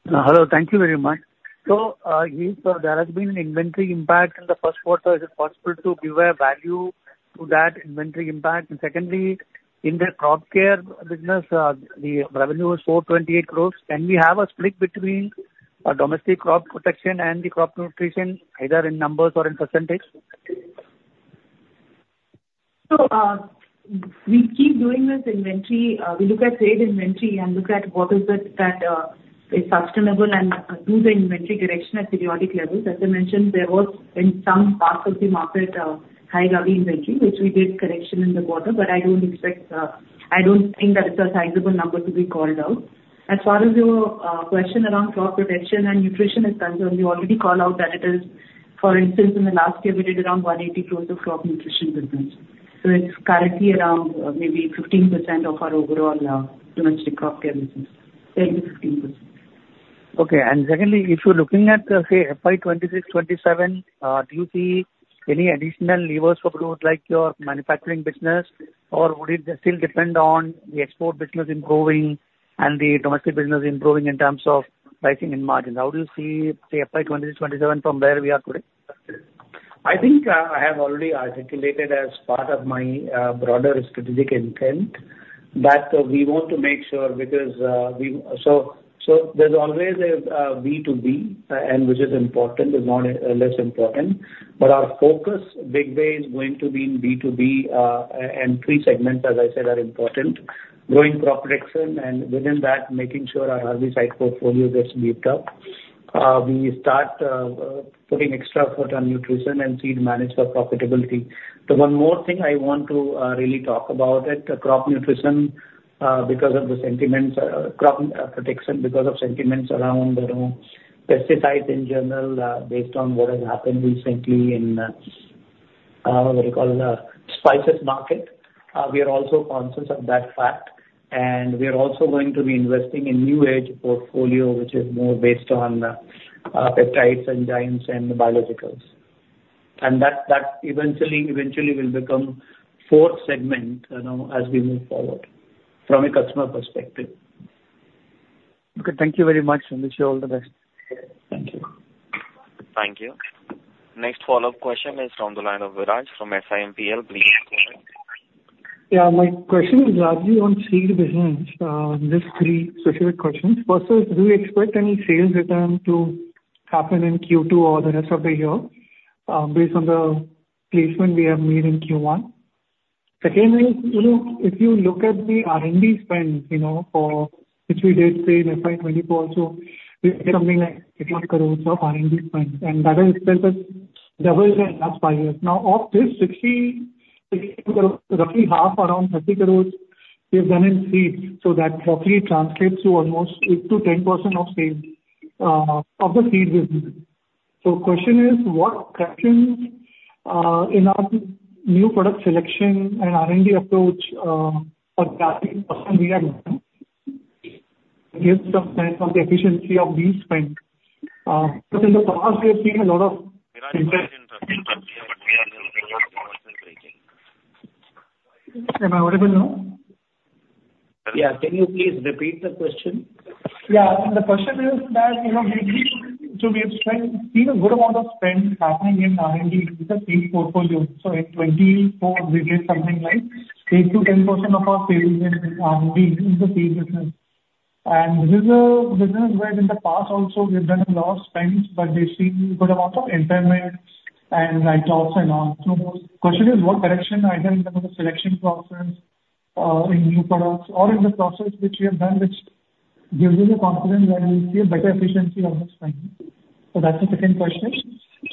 Hello, thank you very much. So, you said there has been an inventory impact in the first quarter. Is it possible to give a value to that inventory impact? And secondly, in the crop care business, the revenue is 428 crore. Can we have a split between domestic crop protection and the crop nutrition, either in numbers or in percentage? So, we keep doing this inventory. We look at trade inventory and look at what is it that is sustainable, and do the inventory correction at periodic levels. As I mentioned, there was, in some parts of the market, high inventory, which we did correction in the quarter, but I don't expect, I don't think that it's a sizable number to be called out. As far as your question around crop protection and nutrition is concerned, we already call out that it is, for instance, in the last year, we did around 180 crore of crop nutrition business.... So it's currently around, maybe 15% of our overall domestic crop care business. 10%-15%. Okay. And secondly, if you're looking at, say, FY 2026, 2027, do you see any additional levers for growth, like your manufacturing business? Or would it still depend on the export business improving and the domestic business improving in terms of pricing and margins? How do you see, say, FY 2026, 2027 from where we are today? I think, I have already articulated as part of my, broader strategic intent, that we want to make sure, because, so, so there's always a, B2B, and which is important, but not, less important. But our focus big way is going to be in B2B, and three segments, as I said, are important. Growing crop protection, and within that, making sure our herbicide portfolio gets beefed up. We start, putting extra foot on nutrition and seed manage for profitability. The one more thing I want to, really talk about it, crop nutrition, because of the sentiments, crop, protection, because of sentiments around, you know, pesticides in general, based on what has happened recently in, what do you call it? Spices market. We are also conscious of that fact, and we are also going to be investing in new age portfolio, which is more based on peptides, enzymes and biologicals. That eventually will become fourth segment, you know, as we move forward from a customer perspective. Okay, thank you very much, and wish you all the best. Thank you. Thank you. Next follow-up question is from the line of Viraj from SiMPL. Please go ahead. Yeah, my question is largely on seed business. Just three specific questions. First is, do you expect any sales return to happen in Q2 or the rest of the year, based on the placement we have made in Q1? Secondly, you know, if you look at the R&D spend, you know, for which we did say in FY 2024, so it's something like INR 60 crore of R&D spend, and that has doubled in the last 5 years. Now, of this 60, roughly half, around 30 crore, is done in seed, so that roughly translates to almost 8%-10% of sales of the seed business. So question is, what corrections in our new product selection and R&D approach for that personnel we have done? Give some sense on the efficiency of these spend. Because in the past we've seen a lot of- Am I audible now? Yeah. Can you please repeat the question? Yeah. The question is that, you know, we've been, so we have spent, seen a good amount of spend happening in R&D with the seed portfolio. So in 2024, we did something like 8%-10% of our sales in R&D in the seed business. And this is a business where in the past also we've done a lot of spends, but we've seen good amount of impairments and write-offs and all. So the question is, what correction either in terms of the selection process, in new products or in the process which we have done, which gives you the confidence that you'll see a better efficiency on the spend? So that's the second question.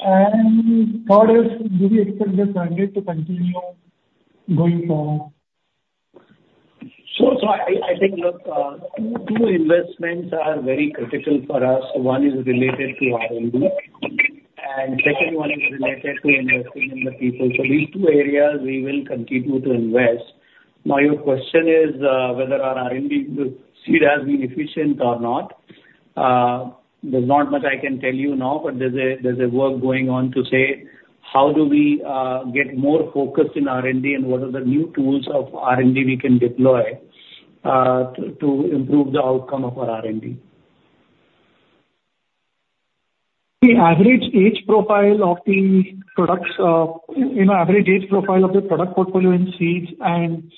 And third is, do you expect this trend to continue going forward? I think, look, two investments are very critical for us. One is related to R&D, and second one is related to investing in the people. These two areas we will continue to invest. Now, your question is whether our R&D spend has been efficient or not. There's not much I can tell you now, but there's work going on to say how do we get more focused in R&D, and what are the new tools of R&D we can deploy to improve the outcome of our R&D? The average age profile of the products, you know, average age profile of the product portfolio in seeds, and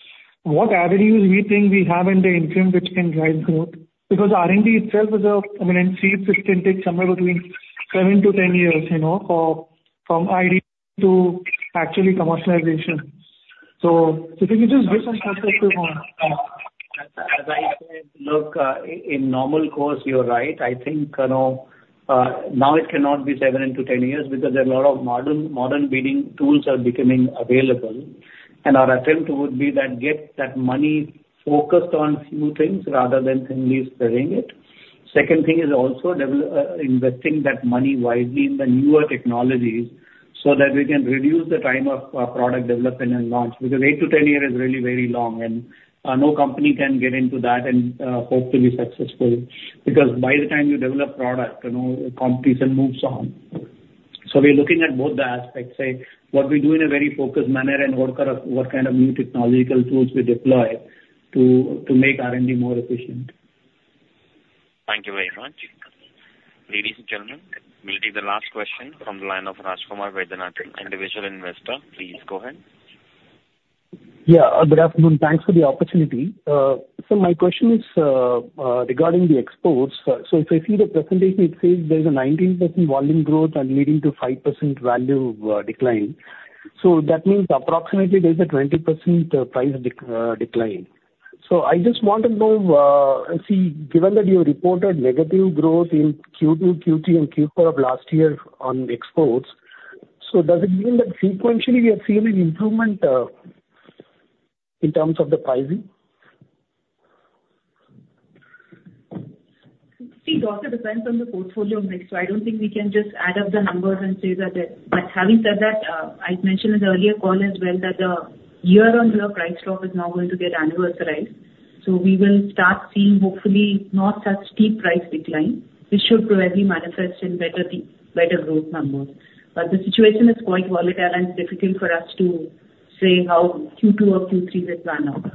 what averages we think we have in the interim, which can drive growth. Because R&D itself is a, I mean, in seeds it can take somewhere between 7-10 years, you know, from idea to actually commercialization. So if you can just give some perspective on, As I said, look, in normal course, you're right. I think, you know, now it cannot be 7-10 years, because there are a lot of modern, modern breeding tools are becoming available, and our attempt would be that get that money focused on few things rather than thinly spreading it. Second thing is also investing that money wisely in the newer technologies, so that we can reduce the time of, product development and launch. Because 8-10 years is really very long, and no company can get into that and hope to be successful. Because by the time you develop product, you know, competition moves on. We're looking at both the aspects, say, what we do in a very focused manner and what kind of new technological tools we deploy to make R&D more efficient. Thank you very much. Ladies and gentlemen, we'll take the last question from the line of Rajkumar Vaidyanathan, individual investor. Please go ahead. Yeah. Good afternoon. Thanks for the opportunity. So my question is regarding the exports. So if I see the presentation, it says there's a 19% volume growth and leading to 5% value decline. So that means approximately there's a 20% price decline. So I just want to know, see, given that you reported negative growth in Q2, Q3 and Q4 of last year on exports, so does it mean that sequentially we are seeing an improvement in terms of the pricing?... See, it also depends on the portfolio mix, so I don't think we can just add up the numbers and say that it. But having said that, I'd mentioned in the earlier call as well, that the year-over-year price drop is now going to get annualized. So we will start seeing, hopefully, not such steep price decline. This should probably manifest in better growth numbers. But the situation is quite volatile and difficult for us to say how Q2 or Q3 will pan out.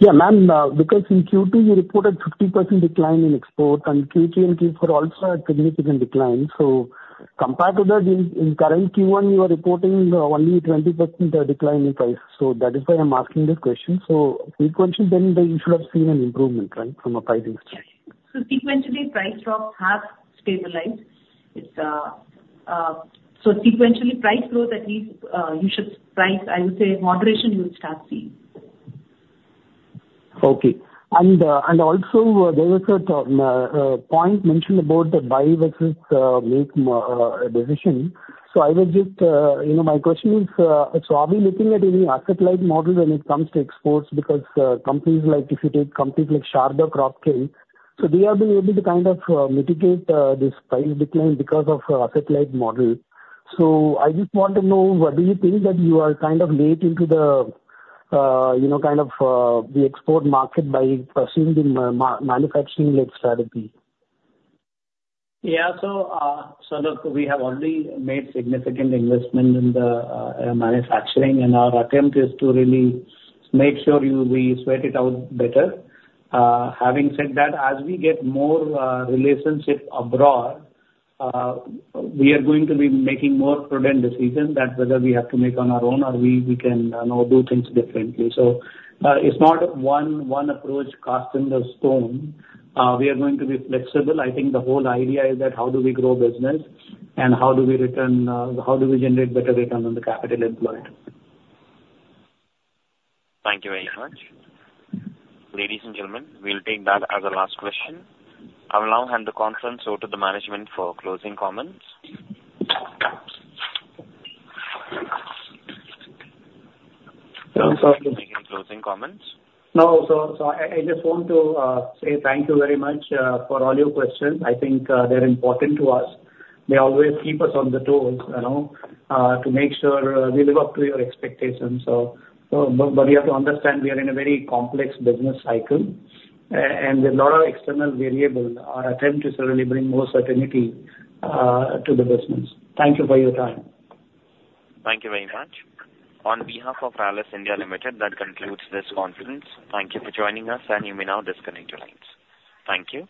Yeah, ma'am, because in Q2 you reported 50% decline in exports, and Q3 and Q4 also a significant decline. So compared to that, in current Q1, you are reporting only 20% decline in price. So that is why I'm asking this question. So sequentially, then, you should have seen an improvement, right, from a pricing perspective? So sequentially, price drops have stabilized. So sequentially, price growth, at least, you should see price moderation, I would say, you will start seeing. Okay. And, and also, there was a point mentioned about the buy versus, make, decision. So I was just, you know, my question is, so are we looking at any asset-light model when it comes to exports? Because, companies like, if you take companies like Sharda Cropchem, so they have been able to kind of, mitigate, this price decline because of asset-light model. So I just want to know, what do you think that you are kind of late into the, you know, kind of, the export market by pursuing the manufacturing-led strategy? Yeah. So, so look, we have already made significant investment in the manufacturing, and our attempt is to really make sure we sweat it out better. Having said that, as we get more relationship abroad, we are going to be making more prudent decisions that whether we have to make on our own or we can, you know, do things differently. So, it's not one approach cast in stone. We are going to be flexible. I think the whole idea is that how do we grow business and how do we return, how do we generate better return on the capital employed? Thank you very much. Ladies and gentlemen, we'll take that as our last question. I will now hand the conference over to the management for closing comments. Sir, would you make any closing comments? No. So, I just want to say thank you very much for all your questions. I think, they're important to us. They always keep us on the toes, you know, to make sure we live up to your expectations. So, but you have to understand, we are in a very complex business cycle, and there are a lot of external variables. Our attempt is to really bring more certainty to the business. Thank you for your time. Thank you very much. On behalf of Rallis India Limited, that concludes this conference. Thank you for joining us, and you may now disconnect your lines. Thank you.